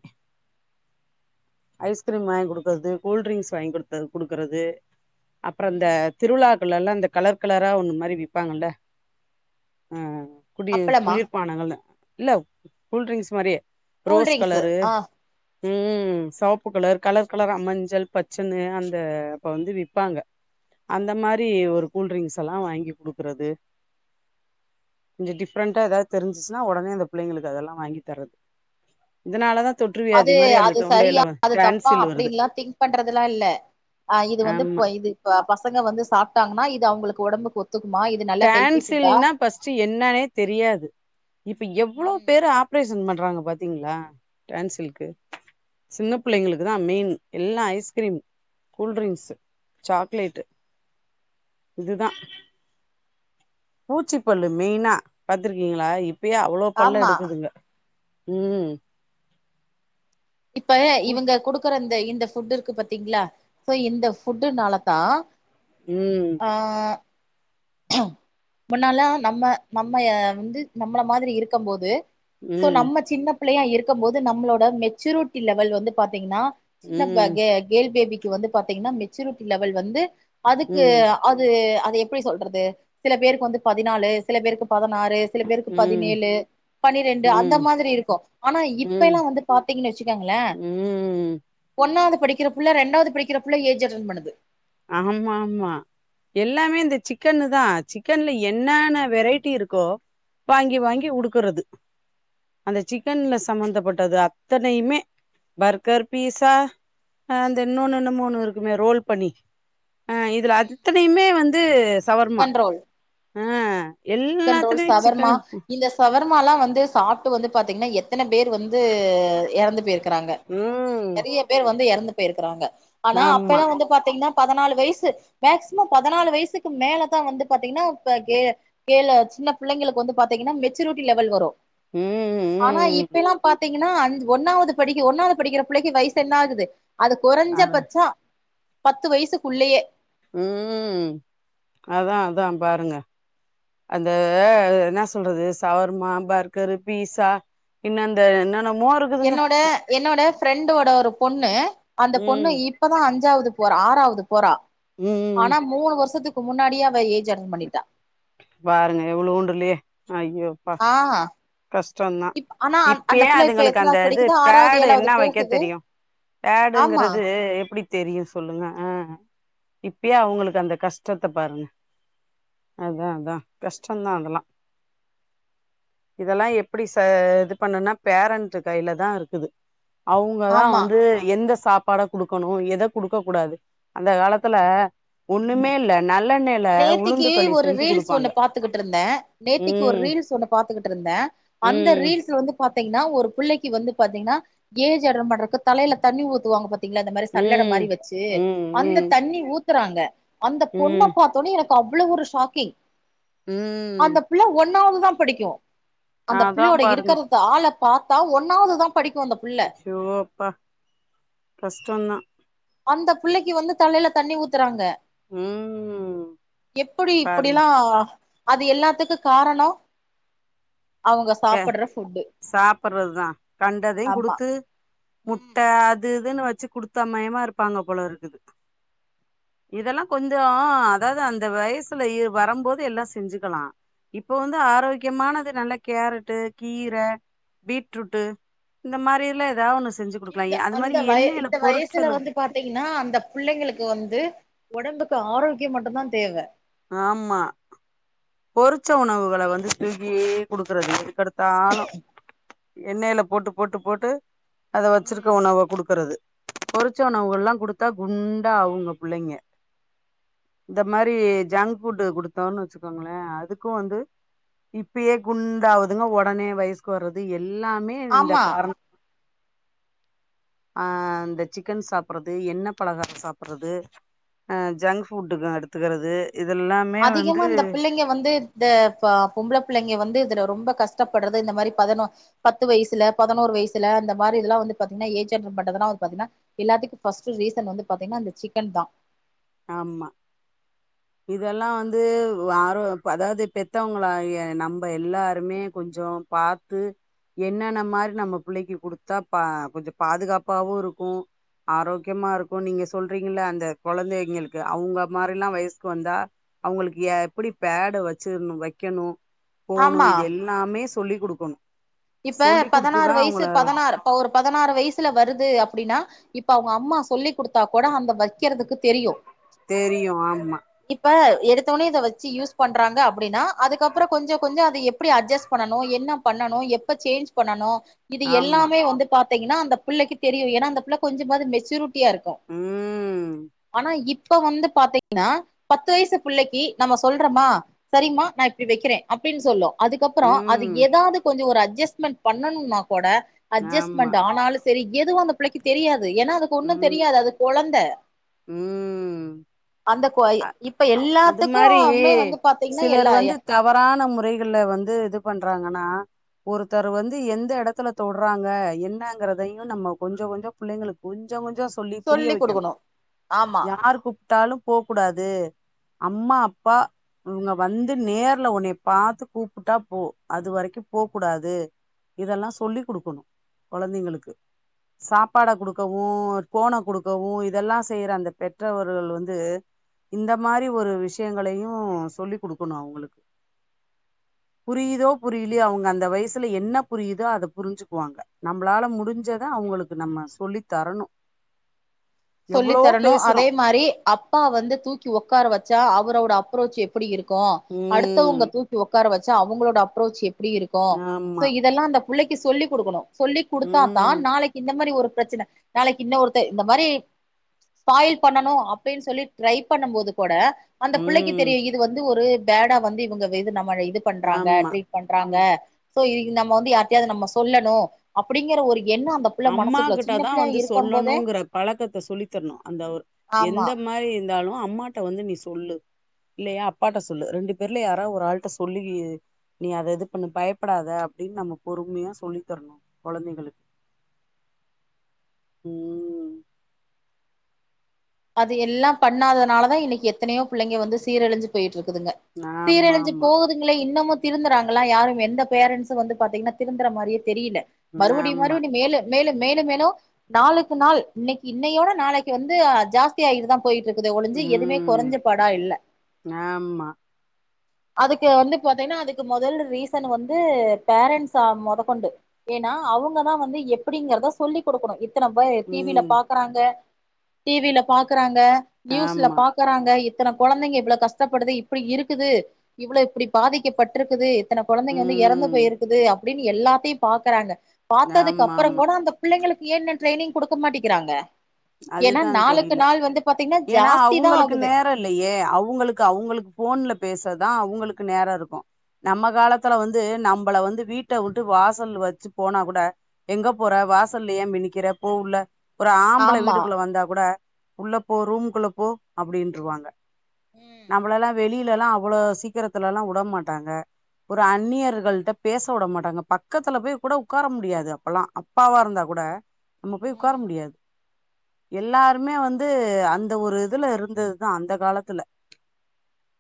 ஐஸ்கிரீம் வாங்கி குடுக்கறது கூல் ட்ரிங்க்ஸ் வாங்கி குடுத் குடுக்கறது அப்றோ இந்த ம் திருவிழாக் ல்லா அந்த கலர் கலரா ஒண்ணு மாரி விப்பாங்கள ஹம் குடிய அப்பளமா குளிர்பானங்கள்ல இல்ல கூல்ட்ரிங்க்ஸ் மாரியே கூல்ட்ரிங்க்ஸு ஆஹ் உம் சவப்பு கலர் கலர் கலரா மஞ்சள் பச்சன்னு அந்த அப்ப வந்து விப்பாங்க அந்த மாரி ஒரு கூல்ட்ரிங்க்ஸ் எல்லா வாங்கி டுக்கறது இந்த டிஃப்ரெண்டா ஏதாவது தெரிஞ்சிச்சுன்னா ஒடனே அந்த பிள்ளைங்களுக்கு அதெல்லா வாங்கி தரது இதனாலதான் அது அது சரியா அது தப்பா டான்சில் வருது அப்டின்ல்லா திங்க் பண்றதுல்லாம் இல்ல அஹ் இது வந்து ஆமா ப இது இப்ப ஃபர்ஸ்ட் பசங்க வந்து சாப்ட்டாங்கன்னா இது அவுங்களுக்கு ஒடம்புக்கு ஒத் டான்சில்னா ஃபஸ்ட்டு என்னனே தெரியாது இப்ப எவ்வளோ ம் பேரு ஆப்ரேஷன் பண் றாங்க பாத்திங்ளா டான்சில்க்கு சின்னப் புள்ளைங்களுக்குதா மெயின் எல்லா ஐஸ்கிரீம் கூல்ட்ரிங்க்ஸ் சாக்லேட்டு இதுதா பூச்சிப்பல்லு மெய்னா பாத்துருக்கிங்ளா இப் பயே அவ்ளோ பல்லு ஆமா எடுக்குதுங்க ம் இப்ப பூ இவங்க குடுக்குற இந்த இந்த ஃபுட் இருக்கு பாத்திங்ளா சோ இந்த ஃபுட்டுனாலதா ம் ஆ முன்னலா நம்ம நம்ம அ வந்து நம்மள மாதிரி இருக்கம் போது சோ ம் நம்ம சின்ன பிள்ளையா இருக் க்கம்போது நம்மளோட மெச்சூரிட்டி லெவல் வந்து பாத்தீங்கன்னா சின்ன ம் பாகே கேள் பேபி வந்து பாத்தீங்கன்னா மெச்சூரிட்டி லெவல் வந்து அதுக்கு ம் அது அ து எப்டி சொல்ற து சில பேருக்கு வந்து பதினாலு சில பேருக்கு பதனாறு சில பேருக்கு ம் பதினேலு பனிரெண்டு அந்த ம் மாதிரி இருக்கு ஆனா ம் இப்பெல்லா வந்து பாத்தீங்கன்னு வச்சுக்கோங்ளே ம் ஒன்னாது படிக்கிற புள்ள ரெண்டாது படிக்கிற புள்ள ஏஜ் அட்டன் பன்னுது ஆமா ஆமா எல்லாமே இந்த சிக்கன்னு தா சிக்கன்ல என்னான வெரைட்டி இருக்கோ வாங்கி வாங்கி உடுக்குறது அந்த சிக்கன்ல சம்பந்தப்பட்டது அத்தனையுமே பர்கர் பீஸா அ அந்த இன்னொன்னு என்னமோ ஒன்னு இருக்குமே ரோல் பண்ணி ஆ இதுல அத்தனையுமே வந்து சவர்மா சிக்கன் ரோல் ம் சிக்கன் ரோல் சவர்மா இந்த சவர் ர்மாலா வந்து சாப்ட்டு வந்து பாத்தீங்கன்னா எத் எத்தன பேர் வந்து எறந்து போயிருக்குறாங்க ம் நெறைய பேர் வந்து எறந்து போயிருக்குறாங்க ஆனா ஆமா அப்பல்லா வந்து பாத்தீங்கன்னா பதனாலு வயசு மேக்சிமம் பதனாலு வயசுக்கு மேலதா வந்து பாத்தீங்கன்னா இப்ப கே கேல சின்ன பிள்ளைங்களுக்கு வந்து பாத்தீங்கன்னா மெச்சூரிட்டி லெவல் வரும் ஆனா ம் ம் இப்பேல்லா பாத்தீங் தீங்கனா அஞ் ஒன்னாவது படிக்க ஒன்னாவது படிக்கிற புள்ளைக்கி வயசு என்ன ஆகுது அது கொறைஞ்ச அதா பட்சோ பத்து வயிசுக்குள்ளேயே ம் அதா அதா பாருங்க அந்த என்ன சொல்றது சவர்மா பர்கரு பீஸா இன்னந்த என்னன்னா என்னோட என்னோட ஃப்ரண்டோட ஒரு பொண்ணு அந்த பொண்ணு ம் இப்பதா அஞ் சாவது போறா ஆறாவ்துப் போறா ம் ஆனா மூணு வருஷத்துக் க்கு முன்னாடியே அவ ஏஜ் அட்டண்ட் பண்ணிட்டா பாருங்க எவ்ளோண்டுலயே அய்யோ அப்பா ஆ கஷ்டோந்தா இப் ஆனா அந்த இப்பயே பிள்ள இப்ப அதுங்களுக்கு அந்த எத்தனாவது இது படிக்குது ஆறாவது பேடு ஏழாவது என்ன வெக்க போகுது தெரியூ ஆமா பேடுங்கிறது எப்டி தெரியூ சொல்லுங்க ஆ இப்பயே அவுங்களுக்கு அந்த கஷ்டத்த பாருங்க அதா அதா கஷ்டோந்தா அதெல்லா இதெல்லா எப்படி ச இது பண்ணுனா பேரண்ட்டு கையில தா இருக்குது அவங்க தா ஆமா வந்து எந்தஸ் சாப்பாட குடுக்கணூ எத குடுக்க கூடாது அந்த காலத்துல ஒன்னுமேல்ல நல் நேத்திக்கு ஒரு ரீல்ஸ் ஒன்னு பாத்துகிட்ருந்தே நேத்திக்கு ஒரு ம் ரீல்ஸ் ஒன்னு பாத்துகிட்ரு ந்தே அந்த ம் ரீல்ஸ்ல வந்து பாத்தீங் ன்னா ஒரு புள்ளைக்கு வந்து பாத்தீங்னா ஏஜ் அட்டண்ட் பண்றக்கு தலையில தண்ணி ஊத்துவாங்க பாத் தீங்ல அந்த மாரி சல்லட ம் மாரி வச்சு அந்த ம் ம் தண்ணி ஊத் க்றாங்க அந்த பொண்ண ம் பாத் தோனே எனக்கு அவ்ளோ ஒரு ஷாக்கிங் ம் அந்த பிள்ள ஒன்னாவு தா படிக்கூ அந்த அதா பிள்ளயோட இருக்கறது ஆளப் பாத்தா ஒன்னாவ்துதா சோ அப்பா கஷ்டேந்தா அந்தப் புள்ளைக்கு வந்து தலைல தண்ணி ஊத்துறாங்க ம் எப்டி பாருங்க இப்டிலா அது எல்லாத்துக்கு காரணோ அவங்க க சாப்புட்ற ஃபுட்டு சாப்புட்றதுதா கண்டதையு ஆமா குடுத்து முட்ட ம் அது இதுதான்னு வச்சு குடுத்தா மயமாருப்பாங்க போல இருக்குது இதெல்லா கொஞ்சோ அதாவ்து அந்த வயசுல வரும்போது எல்லா செஞ்சுக்லா இப்ப வந்து ஆரோக்கியமானது நல்லா கேரட்டு கீர பீட்ரூட்டு இந்த மாரி எல்லா ஏதாவொன்னு ஸ் செஞ்சு குடுக்கலா இந்த எ அது அந்த வய இந்த வயசுல வந்து பாத்தீங்ன்னா அந்த புள்ளங்களுக்கு வந்து ஒடம்புக்கு ஆரோக்கிய மட்டுந்தா தேவ ஆமா பொறிச்ச உணவுகள வந்து ஸ்வீக்கி குடுக்குறது எதுக்கெடுத்தாலு எண்ணெயில போட்டு போட்டு போட்டு அத வச்சிருக்க ம் உணவ குடுக்குறது பொறிச்ச உணவுகல்லா குடுத்தா குண்டா ஆகுங்க புள்ளைங்க இந்த மாரி ஜங்க் ஃபுட் குடுத்தோம்ன்னு வச்சு ங்களே அதுக்கு வந்து இப்பயே குண்டாவதுங்க உடனே வயசுக்கு வர்றது எல்லாமே இந்த ஆமா காரண ஆஹ் இந்த சிக்கன் சாப்ட்றது எண்ணெ பழகார சாப்ட்றது அஹ் ஜங்க் ஃபுட்டு எடுத்துக்கிறது இதெல்லாமே வந்து து இந்த ப பொம்பள புள்ளக வந்து இதுல ரொம்ப கஷ்டப்பட்றது இந்த மாரி பதினோ பத்து வயசுல பதினோரு வயசுல அந்தமாரி இதெல்லா வந்து பாத்தீங்ன்னா ஏஜ் அட்டன் பண்றதலா வந்து பாத்தீங்ன்னா எல்லாத்துக்கு ஃபஸ்டு ரீசன் வந்து பாத்தீங்னா இந்த சிக்கன் தா ஆமா இதெல்லா வந்து ஆரோ அதாவ்து பெத்தவங்களா எ நம்ம எல்லாருமே கொஞ்சோ பாத்து என்னென்ன மாரி நம்ம புள்ளக்கு குடுத்தா பா கொஞ்ச பாதுகாப்பாவு இருக்கு ஆரோக்கியமா இருக்கு நீங்க சொல்றீங்கல்ல அந்த கொழந்த ங்களுக்கு அவ்ங்க மாரில்லா வயசுக்கு வந்தா அவ்ங்களுக்கு எப்டி பேடு வச்சிருணு வக்கணு போணும் ஆமா இது எல்லாமே சொல்லி குடுக்கணு இப்ப சொல்லி் பதினாறு குடுத்துதா வயசு அவங்கள பதினாறு இப்ப ஒரு பதினாறு வயசுல வருது அப்டின்னா இப்ப அவ்ங்க அம்மா சொல்லி் குடுத்தா கூட அந்த வக் க்கிறதுக்கு தெரியு தெரியு ஆமா இப்ப எடுத்தவொனே இத வச்சு யூஸ் பண்றாங்க அப்டின்னா அதுக்கப்பற கொஞ்ச கொஞ்ச அது எப்டி அஜஸ் பண்ணனு என்ன பண்ணனு எப் இப்ப சேஞ்ச் பண்ணனு இது ஆமா எல்லாமே வந்து பாத் திங்னா அந்த புள்ளக்கு தெரியு ஏன்னா அந்த புள்ள கொஞ்சமாது மெச்சூர டிய இருக்கு ம் ஆனா இப் இப்ப வந்து பாத்தீங்ன்னா பத்து வயசு புள்ளக்கு நம்ம சொல்றமா சரிங்மா நா இப்டி வக்கிறே அப்டின்னு சொல்லு அதுக்கப்பற அது ம் ஏதாது கொஞ்ச ஒரு அ அஜஸ்மென்ட் பண்ணணும்னா கூட ஆமா அட்ஜஸ்மெண்ட் ஆனாலு செரி எதுவு அந்த புள்ளக்கு தெரியாது ஏன்னா அது ஒன்னு தெரியாது அது கொழந் ந்த உம் அ இப்ப அது மாரி எல்லாத்துக்குமே வந்து பாத்தீங்கன்னா சிலர் எல்லா வந்து தவறான முறைகள்ல வந்து இது பண்றா காண ஒருத்தர் வந்து எந்த எடத்துல தொடுறாங்க என்னங்கிறதையு நம்ம கொஞ்ச கொஞ்ச புள்ளைங்களுக்கு கொஞ்ச கொஞ் ச சொல்லி புரிய சொல்லி் வைக்கணு குடுக்கணு ஆமா யார் கூப்ட்டாலு போக்கூடாது அம்மா அப்பா இவ்ங்க வந்து நேர்ல உன்னைய பாத்து கூப்புட்டா போ அது வரைக்கு போக்கூடாது இதெல்லாம் சொல்லி குடுக்கணும் கொழந்தைங்களுக்கு சாப்பாட குடுக்கவு ஃபோன குடுக்கவு இதெல்லா செய்யற அந்த பெற்றவர்கள் வந்து இந்த மாரி ஒரு விஷயங்களையும் சொல்லி குடுக்கணும் அவங்களுக் புரியுதோ புரியலியோ அவங்க அந்த வயசுல என்ன புரியுதோ அத புரிஞ்சுக்குவாங்க நம்பளால முடிஞ்சத அவங்களுக்கு நம்ம சொல்லி தரணும் சொல்லி தரணும் அதே மாரி அப்பா வந்து தூக் கி உக்கார வச்சா அவரோட அப்புரோச் எப்புடி இருக் கும் ம் அடுத்தவங்க தூக்கி உக்கார வச் ச அவங்களோட அப்ரோச் எப் ப்டி இருக்கு சோ ஆமா இதெல்லா அந்த புள்ளைக்கு சொல்லி குடுக்கணு சொல்லி் குடுத்தாத்தா ம் நாளைக்கு இந்த மாரி ஒரு பிரச்சன நாளைக்கு இன்னொருத்த இந்த மாரி ஸ்பாயில் பண்ணணு அப்டின்னு சொல்லி ட்ரை பண்ணும் போது கூட அந்த பிள்ளைக்கு ம் தெரியு இது வந்து ஒரு பேடா வந்து இவங்க விது நம் மல இது பண்றாங்க ஆமா ட்ரீட் பண்றாங்க ம் சோ இ இது நம்ம வந்து யார்டயாது நம்ம சொல்லணு அப்டிங்கற ஒரு எண்ணோ அந்த புள்ள அம்மா மனசுக்குள்ள கிட்ட சின்ன தா பிள்ளையா வந்து இருக்கும் போதே சொல்லணுங்கிற பழக்கத்த சொல்லி குத்துர்ணு அந்த ஒர் ஆமா எந்த மாரி இருந்தாலு அம்மாட்ட வந்து நீ சொல்லு இல்லையா அப்பாட்ட சொல்லு ரெண்டு பேர்ல யாரா ஒரு ஆள்ட்ட சொல்லி நீ அத இது பண்ணு பயப்படாத அப்டின்னு நம்ம பொறுமையா சொல்லி தரணு கொழந்தைகளுக் ம் அது எல்லா பண்ணாதனால தா இன்னைக்கு எத்தனையோ பிள்ளைங்க வந்து சீரழிஞ்சு போய்ட்ருக் குதுங்க ஆமா சீரழிஞ்சு போகுதுங்ளே இன்னமு திருந்துறாங்களா யாரும் எந்த பேரன்ட்சு வந்து பாத்தீங்கனா திருந்தற மாரியே தெரியல மறுவடியு ஆமா மறுவடியு மேலு மேலு மேலு மேலு நாளுக்கு நாள் இன்னைக்கு இன்னையோட நாளைக்கு வந்து ஜாஸ்தியாயிட்டுதா போயிட்ருக்குதே ஒளிஞ்சு எதுமே உம் கொறைஞ்ச பாடா இல்ல ஆமா அதுக்கு வந்து பாத்திங்னா அதுக்கு மொதல் ரீசன் வந்து பேரண்ட்ஸ் அ மொதக்கொண்டு ஏன்னா அவங்கதா வந்து எப்படிங்கறத சொல்லி குடுக்கணு எத்தன பேர் டி வி ல ம் பாக்கறாங்க டி வி ல பாக்கறாங் க நியூஸ்ல ஆமா பாக்கறாங்க இத்தன கொழந்தைங்க இவ்வள கஷ்டப்படுது இப்படி இருக்குது இவ்வள இப்படி பாதிக்கப்பட்ருக்குது இத்தன ம் ஆமா கொழந்தைங்க வந்து எறந்து ம் போயிருக்குது அப் படின்னு எல்லாத்தையு பாக்கறாங்க பாத்ததுக்கு ஆமா ஆமா அப்பறங்கோட அந்த பிள்ளைங்களுக்கு ஏ இன்னோ ட்ரைனிங் குடுக்க மாட்டங்கிறாங்க அதுதான் தெரியும் இ ஏன்னா ஜாஸ்தி தா அவங்களுக்கு ஆகுது நேரம் இல்லையே அவங்களுக்கு அவங்களுக்கு போன்ல பேச தான் அவங்களுக்கு நேரம் இருக்கு நம்ம காலத்துல வந்து நம்மளை வந்து வீட்டை விட்டு வாசல் வச்சு போனா கூட எங்க போற வாசல்ல ஏன் மினிக்கிற போ உள்ள ஒரு ஆ புள்ள ஆமா வீட்டுக்குள்ள வந்தா கூட உள்ள போ ரூமுக்குள்ள போ அப்படின்னுருவாங்க ம் நம்மளெல்லாம் வெளிய வல எல்லாம் அவ்வள சீக்கிரத்துலல்லாம் விட மாட்டாங்க ஒரு அந்நியர்கள்ட்ட பேச விட மாட்டாங்க பக்கத்துல போய் கூட உட்கார முடியாது அப்பலாம் அப்பாவா இருந்தா கூட நம்ம போய் உக்கார ம் முடியாது எல்லாருமே வந்து அந்த ஒரு இதுல இருந்ததுதான் அந்த காலத்துல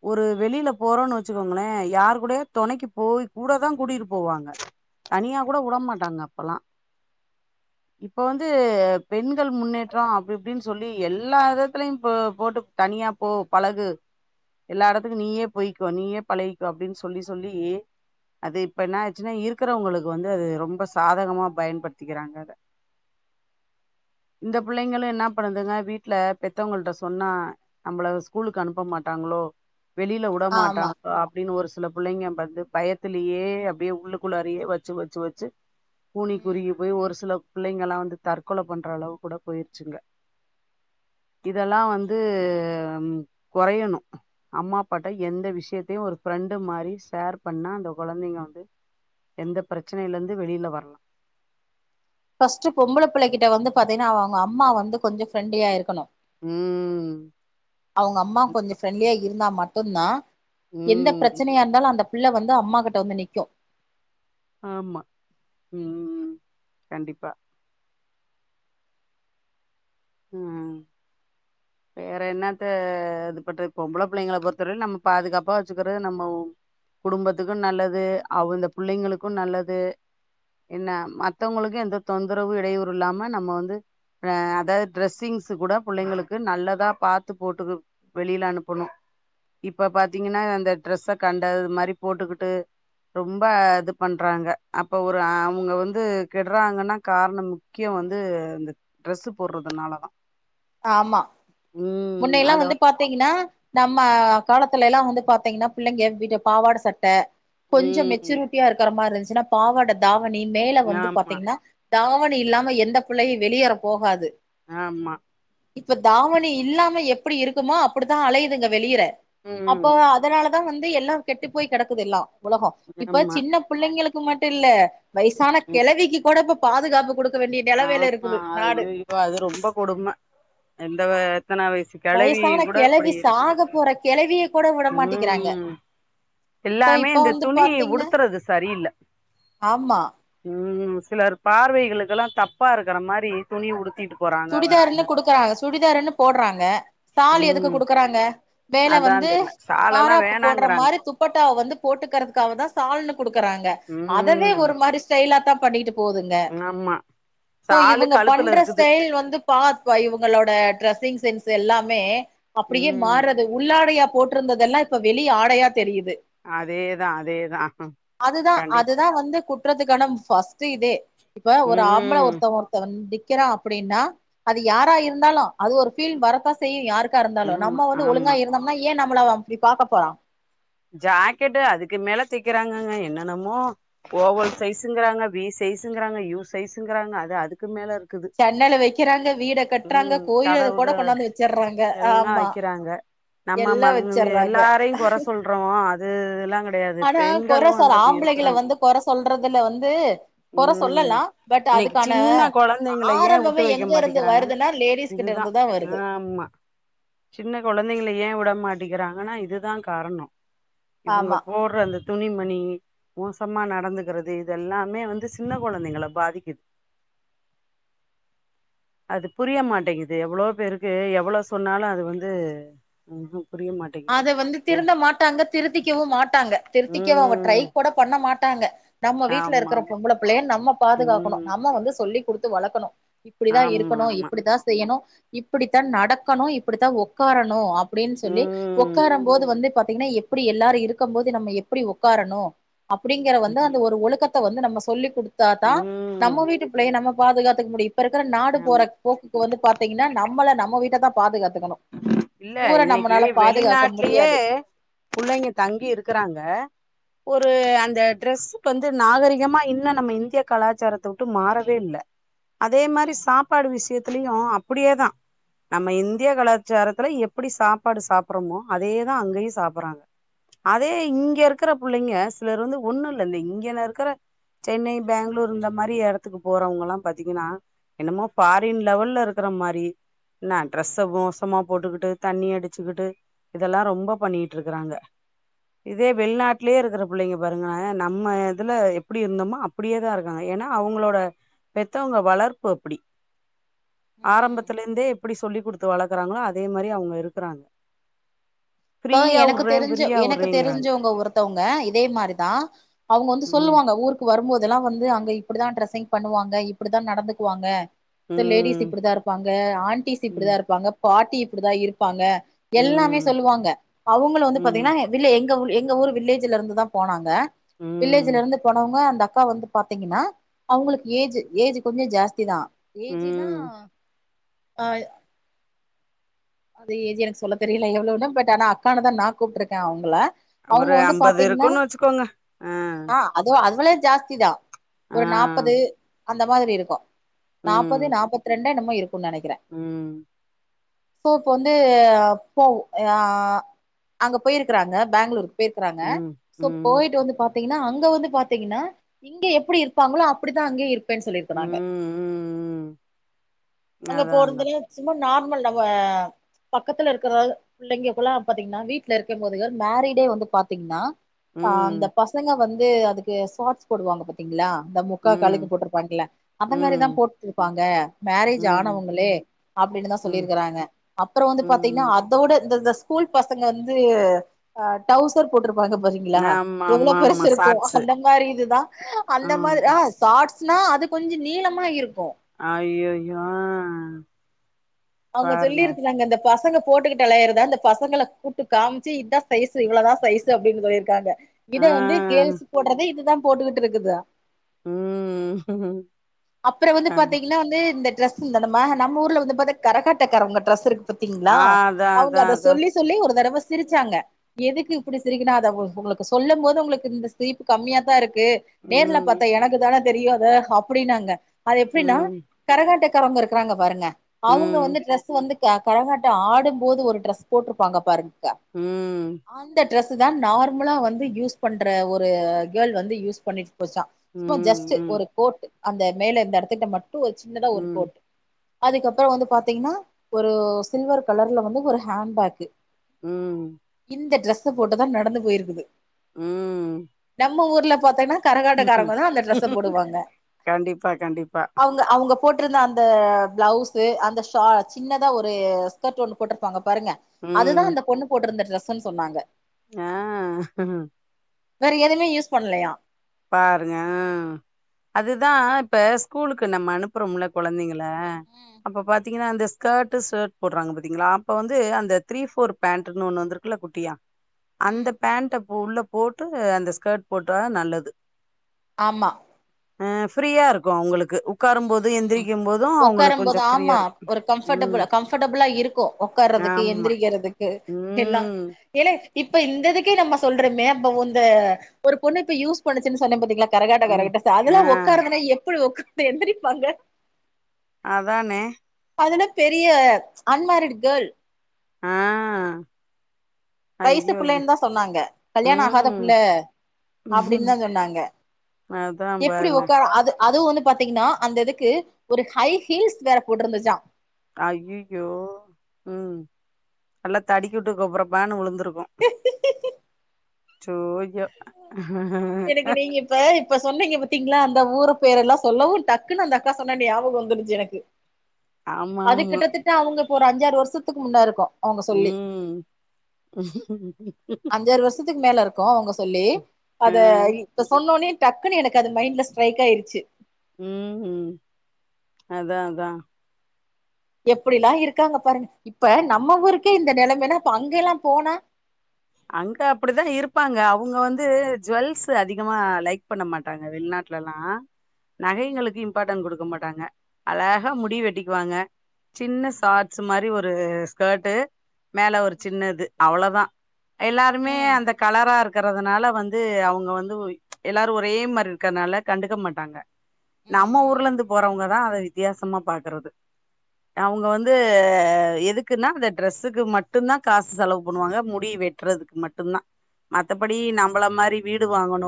ஒரு வெளியில போறோம்ன்னு வச்சுக்கோங்களேன் யாரு கூடயே துணைக்கு போய் கூடதான் கூட்டிட்டு போவாங்க தனியா கூட விடமாட்டாங்க அப்பல்லாம் இப்ப வந்து பெண்கள் முன்னேற்றம் அப்படி இப்படின்னு சொல்லி எல்லா இடத்துலயும் போ போட்டு தனியா போ பழகு எல்லா இடத்துக்கும் நீயே பொய்க நீயே பழகிக்க அப்படின்னு சொல்லி சொல்லி அது இப்ப என்ன ஆச்சுன்னா இருக்கிறவங்களுக்கு வந்து அது ரொம்ப சாதகமா பயன்படுத்திக்கிறாங்க அதை இந்த பிள்ளைங்களும் என்ன பண்ணுதுங்க வீட்டுல பெத்தவங்கள்ட்ட சொன்னா நம்மள ஸ்கூலுக்கு அனுப்ப மாட்டாங்ளோ வெளியில ஆமா விடமாட்டாங்ளோ அப்படின்னு ஒரு சில பிள்ளைங்க வந்து பயத்தலயே அப்படியே உள்ளுக்குள்ளாரியே வச்சு வச்சு வச்சு கூனி ம் குறுக்கி போய் ஒரு சில பிள்ளைங்களல்லாம் வந்து தற்கொலை பண் அளவு கூட போயிருச்சுங்க இதெல்லாம் வந்து குறையணும் அம்மாப்பாட்ட எந்த விஷயத்தையும் ஒரு ஃப்ரெண்டு மாதிரி ஷேர் பண்ணா அந்த குழந்தைங்க வந்து எந்த பிரச்சனையில இருந்து வெளியில வரலாம் பர்ஸ்ட் பொம்பளை பிள்ளைகிட்ட வந்து பாத்தீங்கன்னா அவங்க அம்மா வந்து கொஞ்ச ஃப்ரண்ட்லியா இருக்கணு உம்ஹ் அவங்க அம்மா கொஞ்சம் ஃப்ரண்டலியா இருந்தா மட் மட்டு்தான் எந்த ம் பிரச்சனையா இருந்தாலும் அந்த புள்ள வந்து அம்மா கிட்ட வந்து நிக்கும் ஆமா உம் கண்டிப்பா உஹம் வேற என்னத்த இது பண்றது பொம்பளை பிள்ளைங்கள பொறுத்தவர நம்ம பாதுகாப்பா வச்சுக்கிறது நம்ம குடும்பத்துக்கு நல்லது அவ இந்த பிள்ளைங்களுக்கு நல்லது என்ன மத்தவங்களுக்கு எந்த தொந்தரவு இடையூறு இல்லாம நம்ம வந்து ஹ அதாவது டிரெஸ்ஸிங்ஸ்ஸு கூட பிள்ளைங்களுக்கு நல்லதா பாத்துு போட்டு வெளியில அனுப்பணும் இப்ப பாத்தீங்கன்னா அந்த ட்ரெஸ்ஸ கண்டது மாதிரி போட்டுக்கிட்டு ரொம்ப இது பண்றாங்க அப்ப ஒரு அவங்க வந்து கெடுறாங்கன்னா காரணம் முக்கியம் வந்து இந்த ட்ரெஸ்ஸு போடுறதுனாலதான் ஆமா முன்னையல்லாம் அத வந்து பாத்தீங்கன்னா நம்ம காலத்துலல்லாம் வந்து பாத்தீங்கன்னா பிள்ளைங்க வீட்டு பாவாட சட்டை கொஞ்சம் ம் மெச்சூரிட்டியா இருக்கிற மாதிர இருந்துச்சு ன்னா பாவாட தாவ நீ மேல வந்து ஆமா பாத்தீங்கன்னா தாவணி இல்லாம எந்த பிள்ளையும் வெளியேற போகாது. ஆமா இப்ப தாவணி இல்லாம எப்படி இருக்குமோ அப்படிதான் அலையுதுங்க வெளியற அப்போ ம் அதனால தான் வந்து எல்லாம் கெட்டு போய் கிடக்குது ல்லாம். உலகம் இப்ப ஆமா சின்ன பிள்ளைங்களுக்கு க்குமட் இல்ல. வயசான ம் கிழவிக்கு கூடப்ப பாதுகாப்பு கொடுக் ஆமா ஐயோ யோ அது ரொம்ப கொடும எந்த வய த எத்தனா வயசு கிழவி வயசான கூட இப்படி. கெழவி சாக போற கெழவிய கூட விட மாட்டிக்கிறாங்க உம் சோ எல்லாமே இப்ப இந்த வந்து துணி பாத்தீங்கன்னா உடுத்துறது சரியில்ல ஆமா உம் சிலர் பார்வைகளுக்கெல்லாம் தப்பாக இருக்கிற மாதிரி துணி ஊடுத்திட்டு சுடிதருன்னு குடுக்குறாங்க சுடிதார்ன்னு போடுறாங்க சால் எதுக்கு ம் குடுக்குறாங்க. வேலை அதா வந்து தெர்ல சாலல்லா மாராப்பு போடுற வேணாங்கறாங்க மாரி துப்பட்டா வந்து போட்டுக்கிறதுக்காக தா சால்னு கொடுக்குறாங்க. அதவே ம் ஒரு மாதிரி ஸ்டைலாத்தா பண்ணிட்டு போதுங்க ஆமா சோ சால இவங்க கழுத்துல பண்ற இருக்கு ஸ்டைல் வந்து பா இவங்களோட ட்ரெஸ் திங் சென்ஸ் எல்லாமே அப்படியே ம் மாறுறது உள்ளாட அ போட்டிருந்ததெல்லாம் இப்ப வெளி ஆடையா தெரியுது அதேதா அதேதா அதுதா கண்டிப்பா அதுதா வந்து குட் விறதுக்கானம் ஃபர்ஸ்ட் இதே இப்ப ஒரு ஆம்பள ம் ஒருத்தன் ஒருத்தன் வண்ட் கிர அப்படின்னா அது யாரா இருந்தாலும் அது ஒரு ஃபீல் வரத்தா செய்ய யருக்கா இருந்தாலும் ஆமா நம்ம ஆமா வந்துழுங்கா இருந்தம்னா ஏன் நம் ம்லா அப்படி பாக்க போறா ஜாக்கெட்டு அதுக்கு மேல தக்கிறாங்கங்க என்னன்னமோ ஓவல் சைஸ்ங்கிறாங்க, வி சைஸங்கிறாங்க, யூ சைஸங்கிறாங்க, அது அதுக்கு மேல இருக்கு. சென்னல வைக்கிறாங்க வீட கட்டுறாங்க ம் கோயில கதவுக கூட கொண்டாந்து வச்சறாங்க. எல்லா ஆமா வைக்கிறாங்க எல்லாம் வச்சறாங்க. ஆ அது எல்லாம் ஆனா குற சொ ஆம்பளைகளை வந்து குற சொல்றதுல வந்து கொற உம் சொல்லலா பட் இன்னைக்கு அதுக்கான சின்ன கொழந்தைங்கள ஏன் விட்டு ஆரம்பமே வைக்க எங்க இருந்து மாட்டிக்கிறாங்க வருதுன்னா லேடிஸ் கிட்ட இதுதா இருந்துதா ஆ வருது ஆமா சின்ன கொழந்தைங்கள ஏன் விட மாட்டங்கிறாங்கன்னா இதுதா காரணம் ஆமா இவங்க போடுற அந்த துணிமணி மோசமா நடந்துகிறது இதெல்லாமே வந் இது சின்ன கொழந்தைங்கள பாதிக்கித் அது புரிய மாட்டேங்குது எவ்ளோ பேருக்கு எவ்ளோ சொன்னாலு அது வந்து புரிய மாட்டேங்குது அது வந்து ஏ திருந்த மாட்டாங்க திருத்திக்கவு மாட்டாங்க திருத்திக்கவு அவுங்க ட்ரை ம் கூட பண்ண மாட்டாங்க நம்ம வீட்ல ஆமா இருக்க ஆமா பொம்பள புள்ளையேன் பாதுகாக்கணு ம் நம்ம வந்து சொல்லிக் குடு து வளக்கணோ இப்பிடிதா ஆமா இருக்கணோ ஆமா இப்பிடிதா செய்யணோ இப்பிடித்தா நடக்கணும் இப்பிடித்தா ஒக்காரனு அப் பிடின்னு சொல்லி ம் ஒக்காரும் போது வந்து பா த்தீங்கன்னா எப்டி எல்லாரு இருக்கம் போது நம்ம எப்பிடி ஒக்காரணு அப்பிடிங்கற வந்து அந்த ம் ஒரு ஒழுக்கத் த வந்து நம்ம சொல்லி குடு த்தா தா ம் நம்ம வீட்டு பிள்ளைய நம்ம பாதுக்காத்துக் முடியும் இப்ப இருக்கிற நாடு போற ஆமா போக்குக்கு வந்து பாத்தீங்கன்னா நம்மள நம்ம வீட் ட்ட தா பாதுகாக் கணும் இல்ல ஊர இன்னைக்கு நம்புனாலும் வெளிநாட்லயே புள்ளைங்க தங்கி இருக்கறாங்க ஒரு ம் அந்த ட்ரெஸ்ஸுக்கு வந்து நாகரிகமா இன்னு நம்ம இந்திய கலாச்சாரத்த விட்டு மாறவே இல்ல அதே மாரி ம் சாப்பாடு விஷயத் திலயு அப்டியே தா நம்ம இந்திய கலா சேரத்துல எப்படி சாப்பாடு சாப்படுறோமோ அதேதா அங்கயு சாப்பறாங்க அதே இங்க இருக்கிற புள்ளைங்க சிலர் வந்து ஒண்ணு இல்ல இங்கன இருக்கற சென்னை பேங்களூர் இந்த மாரி எடத்துக்கு போறவங்கல்லா பாத்தீங்கன்னா என்னமோ ஃபாரின் லெவல்ல இருக்கற மாரி என்ன டிரஸ்ஸ மோஸ் ஷமா போட்டுக்கிட்டு தண்ணி அடிச்சுக்கிட்டு இதெல்லா ரொம்ப பண்ணிட்டு இருக்கறாங்க இதே வெளிநாட்லயே இருக்கற பிள்ளைங்க பாருங்களே நம்ம இதுல எப்படி இருந்தோமோ அப்டியேதா இருக்காங்க ஏன்னா அவங்களோட பெத்தவங்க வளர்ப்பு அப்பிடி ம் ஆரம்பத்துல இருந்தே இப்டி சொல்லி குடுத்து வள க்குறாங்களோ அதே மாரி அவங்க இருக்குறாங்க அ எனக்கு தெரிஞ்ச எனக்கு தெரிஞ்சவங்க ஒருத்தவங்க இதே மாரிதா அவங்க வந்து ம் சொல்லுவாங்க ஊருக்கு வரும்போது இதெல்லா வந்து அங்க இப்படிதா ட்ரெஸ்ஸிங் பண்ணுவாங்க இப்படிதா நடந்துக்குவாங்க சோ ம் லேடிஸ் இப்படிதா இருப்பாங்க ஆன்டிஸ் இப்படிதா ம் இருப்பாங்க பாட்டி இப்படிதா இருப்பாங்க எல்லாமே ம் சொல்லுவாங்க அவுங்களு வந்து ம் பாத்தீங்ன்னா வில்லே எங்க ஊ எங்க ஊரு வில்லேஜ்ல இருந்து தா போனாங்க ம் வில்லேஜ்ல இருந்து போனவங்க அந்த அக்கா வந்து பாத்தீங்கின்னா அவுங்களுக் ஏஜ் ஏஜ்ஜு கொஞ்சோ ஜாஸ்தி தா ஏஜீ நா ம் அ அது ஏஜி எனக்கு சொல்ல தெரியல எவ்ளோனு பட் ஆனா அக்கானு தா நா கூப்ட்டுருக்கே அவுங்கள ஒரு அம்பது இருக்கோனு வச்சுக்கோங்க அ ஆ அது அதுவளே ஜாஸ்தி தா ஒரு நாப்பது அந்த மாதிரி இருக்கு நாப்பது நாப்பத்தி ரெண்டு என்னமோ [unintelligible] உம் சோ இப்போ வந்து போ அ-அங்க போயிருக்கறாங்க பேங்களூரு போய்ருக்றாங்க ம் சோ ம் போயிட்டு வந்து பாத் பாத்தீங்ன்னாஅங்க வந்து பாத்தீங்ன்னா இங்க எப்படி இருப்பாங்ளோ அப்படித்தா அங்கேயு இருப் பேன் சொல்லியிருக்குறாங்க ம் ம் அங்க அதா அதா போறதுலியு சும்மா நார்மல் நம் [unintelligible] பக்கத்துல இருக்கிற பிள்ளைங்களுக்குள்ளா பாத்தீங்ன்னா வீட்ல இருக்கும் போது மேரிடே வந்து பாத்தீங்ன்னா அ ம் அந்த பசங்க வந் து அதுக்கு ஸாட்ஸ் போடுவாங்க பாத்தீங்ளா அந்த முக்கா ம் காலுக்கு போட்டிருப்பாங்களல்ல அந்த மாரிதா ம் போட்ருப்பாங்க மேரேஜ் ம் ஆனவுங்களே அப்டினுதா ம் சொல்லியி கிறாங்க அப்புறோ வந்து பாத்தீங்ன்னா ம் அதோட இந்த இது [unintelligible] ஸ்கூல் பசங்க வந்து டவுசர் போட்டிரு பாக்க போறீங்ளா ஆமா எவ்ளோ ஆமா பெருசு ஆமா இருக்கு சாட்ஸு அந்த மாரி இதுதா ஆ அந்த மாரி அதா அ சாட்ஸ் ஸுனா அது கொஞ்சோ நீளமா இருக் ஐய்யய்யோ அ அவுங்க சொல்லிருக்குறாங்க இந்த பசங்க போட்டுகிட்டு அலயுறத அந்த பசங்கள கூட்டு காம்ச்சு இதா சைஸு இவ்ளோதா சைஸு அப்டினு சொல்லிருக்காங்க இது ஆ வந்து கேள்ஸ் போட்றது இதுதா போட்டுகிட்டு இருக்குதா உம் அப்றம் வந்து பாத்தீங்கன்னா வந்து இந்த ட்ரெஸ் [unintelligible] நம்ம ஊர்ல வந்து கரகாட்டக்காரவங்க ட்ரெஸ் இருக்கு பாத்தீங்களா ஆ அதா அவுங்க அதா அத அதா சொல்லி சொல்லி ஒரு தடவ சிரிச்சாங்க எதுக்கு இப்டி சிரிக்கா உங்களுக்கு சொல்லும் போது உங்களுக்கு இந்த சிரிப்பு கம்மியா தான் இருக் கு நேர்ல பாத்தா ம் எனக்கு தான தெரியாதா அப்டின்னா ங்க அது எப்டின்னா ம் கரகாட்ட காரங்க இருக்ராருங்க பாருங்க அவுங்க ம் வந்து ட்ரெஸ் வந்து கரகாட்டம் ஆடும்போது ஒரு ட்ரெஸ் போட்ருப்பாங்க பாருங்க உம் ட்ரெஸ்ஸு தான் நார்மலா வந்து யூஸ் பண்ற ஒரு கேர்ள் வந்து யூஸ் பண்ணி போச்சான் ஜஸ்ட் ம் ஒரு கோட் அந்த மேல இந்த எடத்துட்ட மட் டும் ஒரு சின்னதா ஒரு ம் கோட் அதுக்கப்றம் வந்து பாத்தீங்கன்னா ஒரு சில்வர் கலர்ல வந்து ஒரு ஹேண் பேக் உம் இந்த ட்ரெஸு போட்டுதான் நடந்து போயிருக்குது உம் நம்ம ஊர்ல பாத்தேன்னா கரகாட்டக்காரங்க தான் அந்த ட்ரஸ்ஸ போடுவாங்க கண்டிப்பா கண்டிப்பா வுங்க போட்ருந்த அந்த ப்ளவுஸு அந்த சா சின்னதா ஒரு ஸ்கர்ட் ஒன்னு போட்ருப்பாங்க பாருங்க அதுதான் அந்த பொண்ணு போட்ருந்த ட்ரெஸ் ஸு சொன்னாங்க ஆஹ் வேற எதுமே யூஸ் பண்ணலயா பாருங்க ஆ அதுதான் இப்ப ஸ்கூலுக்கு நம்ம அனுப்புறோம்ல கொழந்தைங்கள ம் அப்ப பாத்தீங்கன்னா இந்த ஸ்கர்ட் ஷர்ட் போடுறாங்க பாத்தீங்களா அப்ப வந்து அந்த த்ரீ ஃபோர் பேண்ட்ன்னு ஒண்ணு வந்துருக்குல்ல குட்டியா அந்த ம் பேண்ட் உள்ள போட்டு அந்த ஸ்கெர்ட் போட்டா நல்லது ஆமா ஆ ஃப்ரீயா இருக்கு அவுங்களுக் உம் உம் உட்கார போது கொஞ்சோ ஃப்ரீயா ஆமா இருக்கு ஒரு ம் கம்ஃபடபுள் கம்ஃபர்ட்டபிளா இருக்கும் உட்காறதுக்கு ஆமா எந்திரிக்கிறதுக்கு எல்லாம் ம் ஏ இப்ப இந்ததுக்கே நம்ம சொல்றோமே அப்ப வ இந்த ஒரு பொண்ணு இப்ப யூஸ் பண்ணுச்சுன்னு சொன்னே பாத்தீங்களா கரகாட்ட ம் கரகிட்ட ஆ அதெல்லாம் உட்கார்துன எப்படி உக்கார இப்ப எந்திரிப்பாங்க அதானே அதென்ன பெரிய அன்மேரிட் கேள் ஆ வயசு ஐயோயோ புள்ளன்தா சொன்னாங்க கல்யாணோ ஆகாத ம் புள்ள அப்டின்னு தா சொன்னாங்க அதா எப்டி பாருங்க உக்காரு அது அது ஒன்னு பாத்தீங்கன்னா அந்த இதுக்கு ஒரு ஹை ஹில்ஸ் வேற போட்ருந்துச்சா அய்யயோ ம் நல்லா தடுக்கி விட்டு பப்பரப்பனு விழுந்து டுகோ சோ யோ எனக்கு நீங்க இப்ப இப்ப சொன்னீங்க பாத்தீங்களா அந்த ஊரு பேரு எல்லா சொல்லவு டக்குன்னு அந்த அக்கா சொன்ன ஞாபகோ வந்துருச்சு எனக்கு ஆமா அது ஆமா கிட்டத்தட்ட அவங்க ஒரு அஞ்சாறு வருஷத்துக்கு முன்ன இருக்கு அவங்க சொல்லி ம் கா அவங்க சொல்லி ஆ அத இப்ப சொன்னோனே டக்குன்னு எனக்கு அது மைண்ட்ல ஸ்ட்ரைக் ஆய்ருச்சு ம் ம் அதா அதா எப்டிலா இருக்காங்க பாருங்க இப்ப நம்ம ஊருக்கே இந்த நெலைமைனா இப்ப அங்க எல்லா போனா அங்க அப்டிதா இருப்பாங்க அவங்க வந்து ஜுவல்ஸ்சு அதிகமா லைக் பண்ண மாட்டாங்க வெளிநாட்டுலல்லா ம் நகைங்களுக்கு இம்பார்ட்டன்ட் குடுக் க மாட்டாங்க அழஹா ம் முடி வெட்டிக்குவாங்க சின்ன சாட்ஸு மாரி ஒ ரு ஸ்கட்டு மேல ஒரு ம் சின்ன இது அவ்ளோதா எல்லாருமே ம் ம் அந்த கலரா இரு க்கறதுனால வந்து அவுங்க வந்து எல்லாரு ஒரே மாரி இருக்கறனால கண்டுக்க மாட்டாங்க நம்ம ம் ம் ஊர்லந்து போறவங்க தா அத வித்தியாசமா பாக்குறது அவ்ங்க வந்து எதுக்குன்னா அந்த ட்ரெஸ்க்கு மட்டுந்தா காசு செலவு பண்ணுவாங்க முடி வெட் ட்றதுக் மட்டுந்தா மத்தப்படி ம் நம்பள மாரி வீ டு வாங்கணு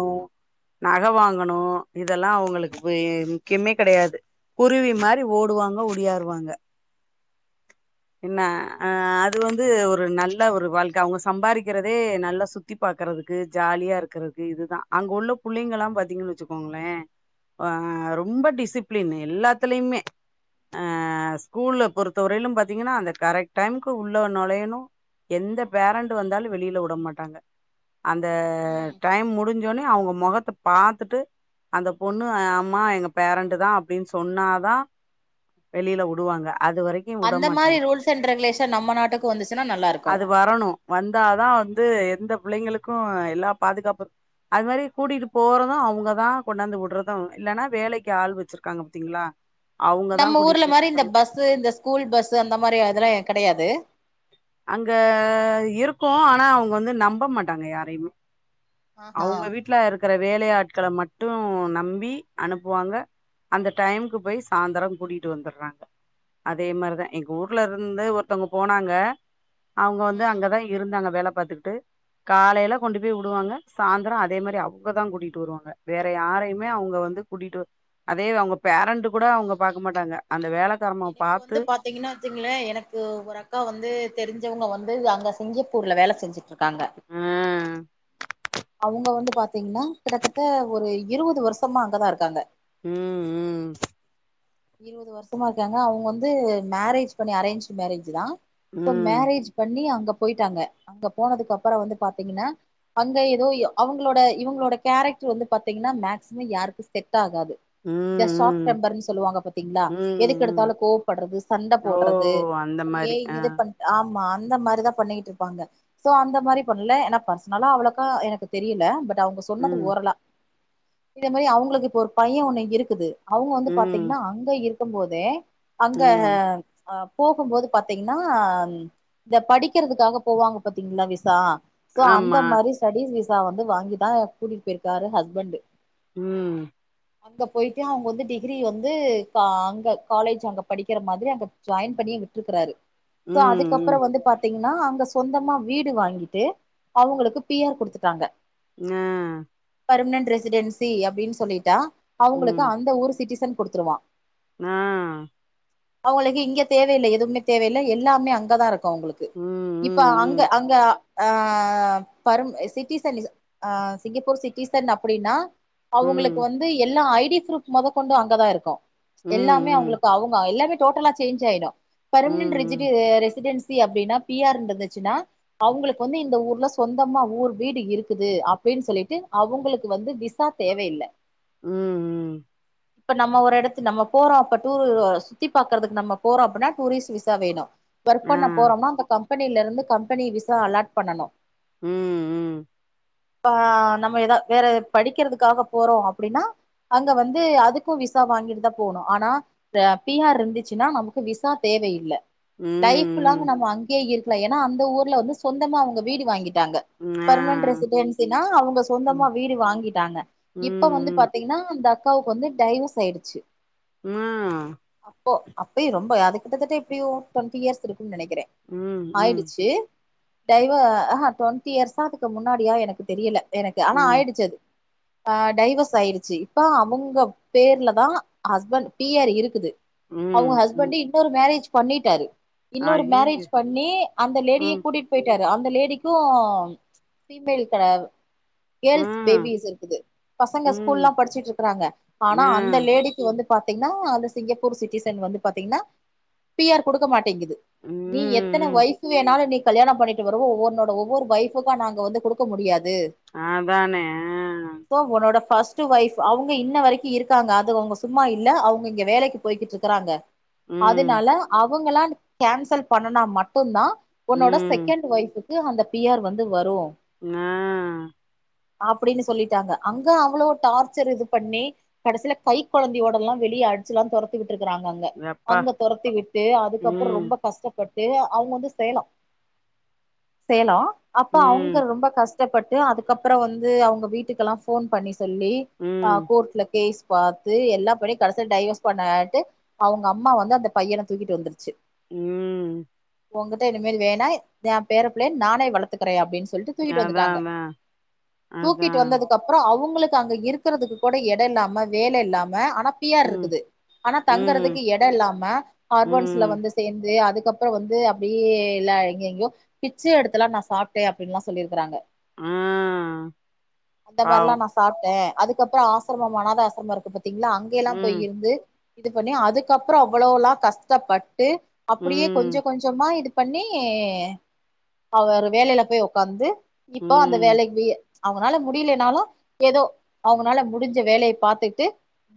நக வாங்கணு இதெல்லா அவ்ங்களுக்கு வே முக்கியமே கெடையாது குருவி மாரி ஓடுவாங்க ஒடியாறுவாங்க என்ன அ அது வந்து ஒரு நல்ல ஒரு வாழ்க்க அவ்ங்க சம்பாறி க்கிறதே நல்லா சுத்தி பாக்குறதுக்கு ஜாலியா இருக்குறது இதுதா அங்க உள்ள புள்ளைங்கலா பாத்தீங்கன் வெச்சுக்கோங்களே ஆ ரொம்ப டிசிப்ளின் எல்லாத்துலைமே ஆ ஸ்கூல்ல பொறுத்த வரையிலு பாத்தீங்கன்னா அந்த கரெக்ட் டைம்க்கு உள்ள நொழையணு எந்த பேரண்ட் வந்தாலு வெளில உட மாட்டாங்க அந்த ம் டைம் முடிஞ் ன்னே அவ்ங்க மொகத்த பாத்துட்டு அந்த பொண்ணு அம்மா எங்க பேரண்ட்தா அப்டின்னு சொன்னாதா வெளியில உடுவாங்க அந்த மாரி ரூல்ஸ் அண்ட் ரெகுலேஷன் நம்ம நாட்டுக்கு வந்துச்சுன்னா நல்லா இருக்கு தா வந்து எந்த பிள்ளைங்களுக்கு எல்லா பாதுகாப்பு அது மாரி கூட்டிட்டு போறது அவ்ங்கதா கொண்டாந்து உடுறது இல்லேன்னா வேலைக்கு ஆள் வச்சிருக்காங்க பாத்தீங்களா அவங்கதா நம்ம கூட்டிட்டு ஊர்ல போய் மாரி இந்த வுடுவாங்க பஸ்ஸு இந்த ஸ்கூல் பஸ்ஸு அந்த மாரி அதல்லா கெடையாது அங்க இருக்கு ஆனா அவ்ங்க வந்து நம்ப மாட்டாங்க யாரையுமே ஆஹா அவுங்க வீட்டுலருக் கற வேலையாட்கள மட்டு நம்பி அனுப்புவாங்க அந்த டைமுக்குப் போய் சாயந்திர கூட்டிகிட்டு வந்தற்றாங்க அதே மாரிதா எங்க ஊர்ல இருந்து ஒருத்தங்க போனாங்க அவ்ங்க வந்து ம் அங்கதா இருந்தாங்க வேலப் பாத்துட்டு காலைல ம் கொண்டு போய் உடுவாங்க சாய்ந்தரொ அதே மாரி அவ்ங்கதா கூட்டிட்டு வருவாங்க வேற யாரையுமே அவ்ங்க வந்து கூட்டிட்டு அதே அவ்ங்க பேரண்ட் கூட அவ்ங்க பாக்க மாட்டாங்க அந் எனக்கு வந்து பாத்தீங்கன்னா வெச்சுங்களே எனக்கு ஒரு அக்கா வந்து தெரிஞ்சவங்க வந்து அங்க சிங்கிப்பூர்ல வேல செஞ்சுட் ருக்காங்க ஆ அவ்ங்க வந்து பாத்தீங்னா கிட்டத்தட்ட ஒரு இருவது வர்ஷமா அங்கதா இருக்காங்க உம் உம் இருவது வர்ஷமா இருக்காங்க அவ்ங்க வந்து மேரேஜ் பண்ணி அரேஞ்ச்டு மேரேஜ்தா ம் சோ ம் மேரேஜ் பண்ணி அங்க போய்டாங்க அங்க போனதுக்கு அப்புற வந்து பாத்தீங்னா அங்க ஏதோ அவ்ங்களோட இவ்ங்களோட கேரக்டர் வந்து பாத்தீங்னா மேக்சிமம் யாருக்கு செ ட்டாகாது இந்த சாஃப் ம் டெம்பர்ன்னு சொல்லுவாங்க தா ம் ம் ம் எதுக்கெடுத்தாலு கோவப்படுறது சண்ட ஓ போட்றது அந்த அப்டியே மாரி ஆ இது பண் ஆ மா அந்த மாரிதா பண்ணிட்டு இருப்பாங்க சோ அந்த மாரி பண்ல ஏனா பர்சனலா அவ்ளோக்கா எனக்கு தெரியில பட் அவ்ங்க சொன்னது ம் ஓரலா இந்த மாரி அவ்ங்குளுக்கு இப்ப ஒரு பைய ஒண்ணு இருக்குது அவுங்க வந்து ம் பாத்தீங்னா இருக்கும் போதே அங்க ம் அஹ் போகும்போது பாத்தீங்னா இதப் படிக்கறதுக்காக போவாங்க பாத்தீங்களா விசா சோ அந்த ஆமா மாரி ஸ்டடிஸ் வி சா வந்து வாங்கிதா கூட்டிட் பேய்ருக்காரு ஹஸ்பண்டு உம் அங்க போய்ட்டே அவ்ங்க வந்து டிகிரி வந்து கா அங்க காலேஜ் அங்க படிக்கிற மாத்ரி அங்க ஜாய்ன் பண்ணியே விட்ருக்குறாரு சோ ம் ம் அதுக்கப்றோ வந்து பாத்தீங்க னா அங்க சொந்தமா வீடு வாங்கிட்டு அவ்ங்களுக்கு பி ஆர் குடுத்துட்டாங்க ஆ பர்ம்னட் ரெசிடென்சி அப்டின் சொல்லிட்டா அவங்களுக்கு ம் அந்த ஊர் சிட்டிசன் குடுத்துருவா ஆ அவங்ளுக்கு இங்க தேவயில்ல எதுமே தேவயில்ல எல்லாமே அங்கதா இருக் க்கவங்களுக்கு ம் இப்ப அங்க ம் அங்க அ பரும் சிட்டிசன் ஆ சிங்கப்பூர் சிட்டிசன் அப்டின்னா ம் ம் அவங்ளுக்கு ம் வந்து எல்லா ஐ டி ஃப்ரூட் மொத கொண்டோ அங்கதா இருக்கோ எல்லாமே ம் அவுங்குளுக் அவுங்க எல்லாமே டோட்டலா சேஞ் ஆயிட்டோ ம் பர்மனன்ட் ம் ரெஜிடு ‌ரெஸிடன்ஸ் சி அப்டினா பி ஆர் இருந்ன்துச்சுனா அவுங்குளுக் வந்து இந்த ஊர்ல சொந்தமா ஓர் வீடு இருக்குது அப்டின் சொல்லிட்டு அவுங்குளுக்கு வந்து விசா தேவயில்லா ம் ம் இப்ப நம்ம ஒரு எடத் தின் நம்ம போறோ‌ அப்ப டூரு ஆ சுத்திப் பாக்கறதுக்கு நம்ம போறோ அப்பனா டூரிஸ்ட் விசா வேணு ஒர்க் ஆ பண்ண போறோம்னா அந்த கம் கம்பெனில இருந்து கம்பெனி விசா அலாட் பண்ணனு ம் ம் பா நம்ம ஏதா வேற படிக்கிறதுக்காக போறோ அப்டினா அங்க வந்து அதுக்கு விசா வாங்கிட்டுதா போனு ஆனா தா பி ஆர் இருந்துச்சுனா நமக்கு விசா தேவையில்லா லைஃப் லாங் ம் நம்மோ அங்கேயே இர் ல ஏனா அந்த ஊர்ல வந்து சொந்தமா அவுங்க வீடு வாங்கி டாங்க ம் ஆ பர்மனன்ட் ரெஸிடன்ஸ்சினா அவுங்க சொந்தமா ம் வீடு வாங்கிட்டாங்க இப்ப வந்து ம் பாத்தீங்னா அந்த காவுக்கு வந்து டைவ்வோஸ் ஆயிடுச்சி ம்மா அப்போ அப்பயே ரொம்ப அது கிட்டத்தட்ட எப்பிடியோ ட்வெண்டி இயர்ஸ் இருக் ம் நனைக்கிற ம் ம் ஆயிடுச்சு டைவ ஆஹா ட்வெண்ட்டி இயர்ஸா அதுக்கு முன்னாடியா எனக்கு தெரியல எனக்கு ஆனா ம் ஆயிடுச்சு அது ஆ டைவர்ஸ் ஆயிடுச்சு இப்ப அவுங்க பேர்லதா ஹஸ்பண்ட் பிஆர் இருக்குது ம் அவுங்க ம் ஹஸ்பண்ட் இன்னொரு மேரேஜ் பண்ணிட்டாரு இன்னொரு மேரேஜ் அய்யய்யோ பண்ணி அந்த லேடிய ம் கூட்டிட்டு போயிட்டாரு அந்த லேடிக்கும் ஃபிமேல் கடயாது ஆ கேர்ள்ஸ் பேபிஸ் இருக்குது பசங்க ம் ஸ்கூல்லா படிச்சிட்டு இருக்கிறாங்க ஆனா ஆ அந்த லேடிக் வந்து பாத்தீங்னா அந்த சிங்கப்பூர் சிட்டிசன் வந்து பாத்தீங்னா பி ஆர் குடுக்க மாட் டிங்குது ம் நீ எத்தன ம் வய்சு வேணாலு இன்னைக் கல்யாண பண்ணிட்டு வருவ ஒன்னோட ஒவ்வொரு வைஃபுக்கா நாங்க வந்து குடுக்க முடியாது ஆஹ் தானே ஆஹ் ஃபஸ்ட்டு ஒய்ஃப் அவுங்க இன்ன வரைக்கு இருக்காங்க அது அவங்க சும்மா இல்ல அவ்ங்க இங்க வேலைக்கு போய்கிட்டு இருக்கறாங்க ம் அதுனால அவ் வுங்கலாண்டு கேன்சல் பண்ணுனா மட்டுந்தா ஒன்னோட ம் சகெண்ட் வொய்ஃபு க்கு அந்த பியர் வந்து வரு ஆஹ் அப்டின்னு சொல்லிட்டாங்க அங்க அவளோ டார்ச்சர் இது பண்ணி கடசில கைக் கொழந்தையோடலா வெளிய அடிச்சுலா தொரத்தி விட் ருக்கிறாங்க அங்க எப்பா அங்க தொரத்தி விட்டு அதுக்கப்ற ம் ரொம்ப கஷ்டப்பட் ஏங்க அவ்ங்க வந்து சேல சேல அப்ப ம் அவ்ங்க ரொம்ப கஸ் ப்பட்டு அதுக்கப்ற வந்து அவ்ங்க வீட்டுக்கெல்லா ஃபோன் பண்ணி சொ சொல்லி ம் ஆஹ் கோர்ட்ல கேஸ் பாத் ட்டு எல்லா பண்ணியு கடைசில டைவர்ஸ் பண்ணட்டு அவ்ங்க அம்மா வந்து அந்த பையன தூக்கிட்டு வந்துர்ச்சு உம் ஒங்கிட்ட இனிமேல் வேணா எ பேற புள்ளைய நானே வளத்துக்கிறே அப்டின் சொ சொல்ட்டு தூக்கிட்டு அதா வந்துட்டாங்க அதா அதா தூக்கிட்டு வந்ததுக்கப்றோ அவ்ங்களுக் இப்ப அங்க இருக்கிறதுக்கு கூட எட இல்லாம வேல இல்லாம ஆனா பி ஆர் ம் இருக்குது ஆனா ம் தங்கறதுக்கு எட இல்லாம ஹார்பன்ஸ்ல ம் வந்து சேந்து அதுக் கப்பற வந்து அப்டியே எல்லா எங் எங்யோ பிச்ச எடுத்துலா நா சாப்ட்டே அப்டின்லா சொல்லிருக்கிறாங்க ஆ அந்த பாவோ மாரிலா நா சாப்ட்டே அதுக்கப்ற ஆசரமம் அனாத ஆசரம இருக்கு பாத் திங்லா அங்கேலா போய் ம் இருந்து இது பண்ணி அதுக்கப்ற அவ்வளோலா கஷ்டப்பட் டு அப்டியே கொஞ்ச ம் கொஞ்சமா எடு பண்ணி அவரு வேலைல போய் ஒக்காந்து இப்போ அந்த ம் வேலைக்கு போயி அவ்ங்கனால முடிய்லைனாலு ஏதோ அவ்ங்கனால முடிஞ்ச வேலைய பாத்துக்ட்டு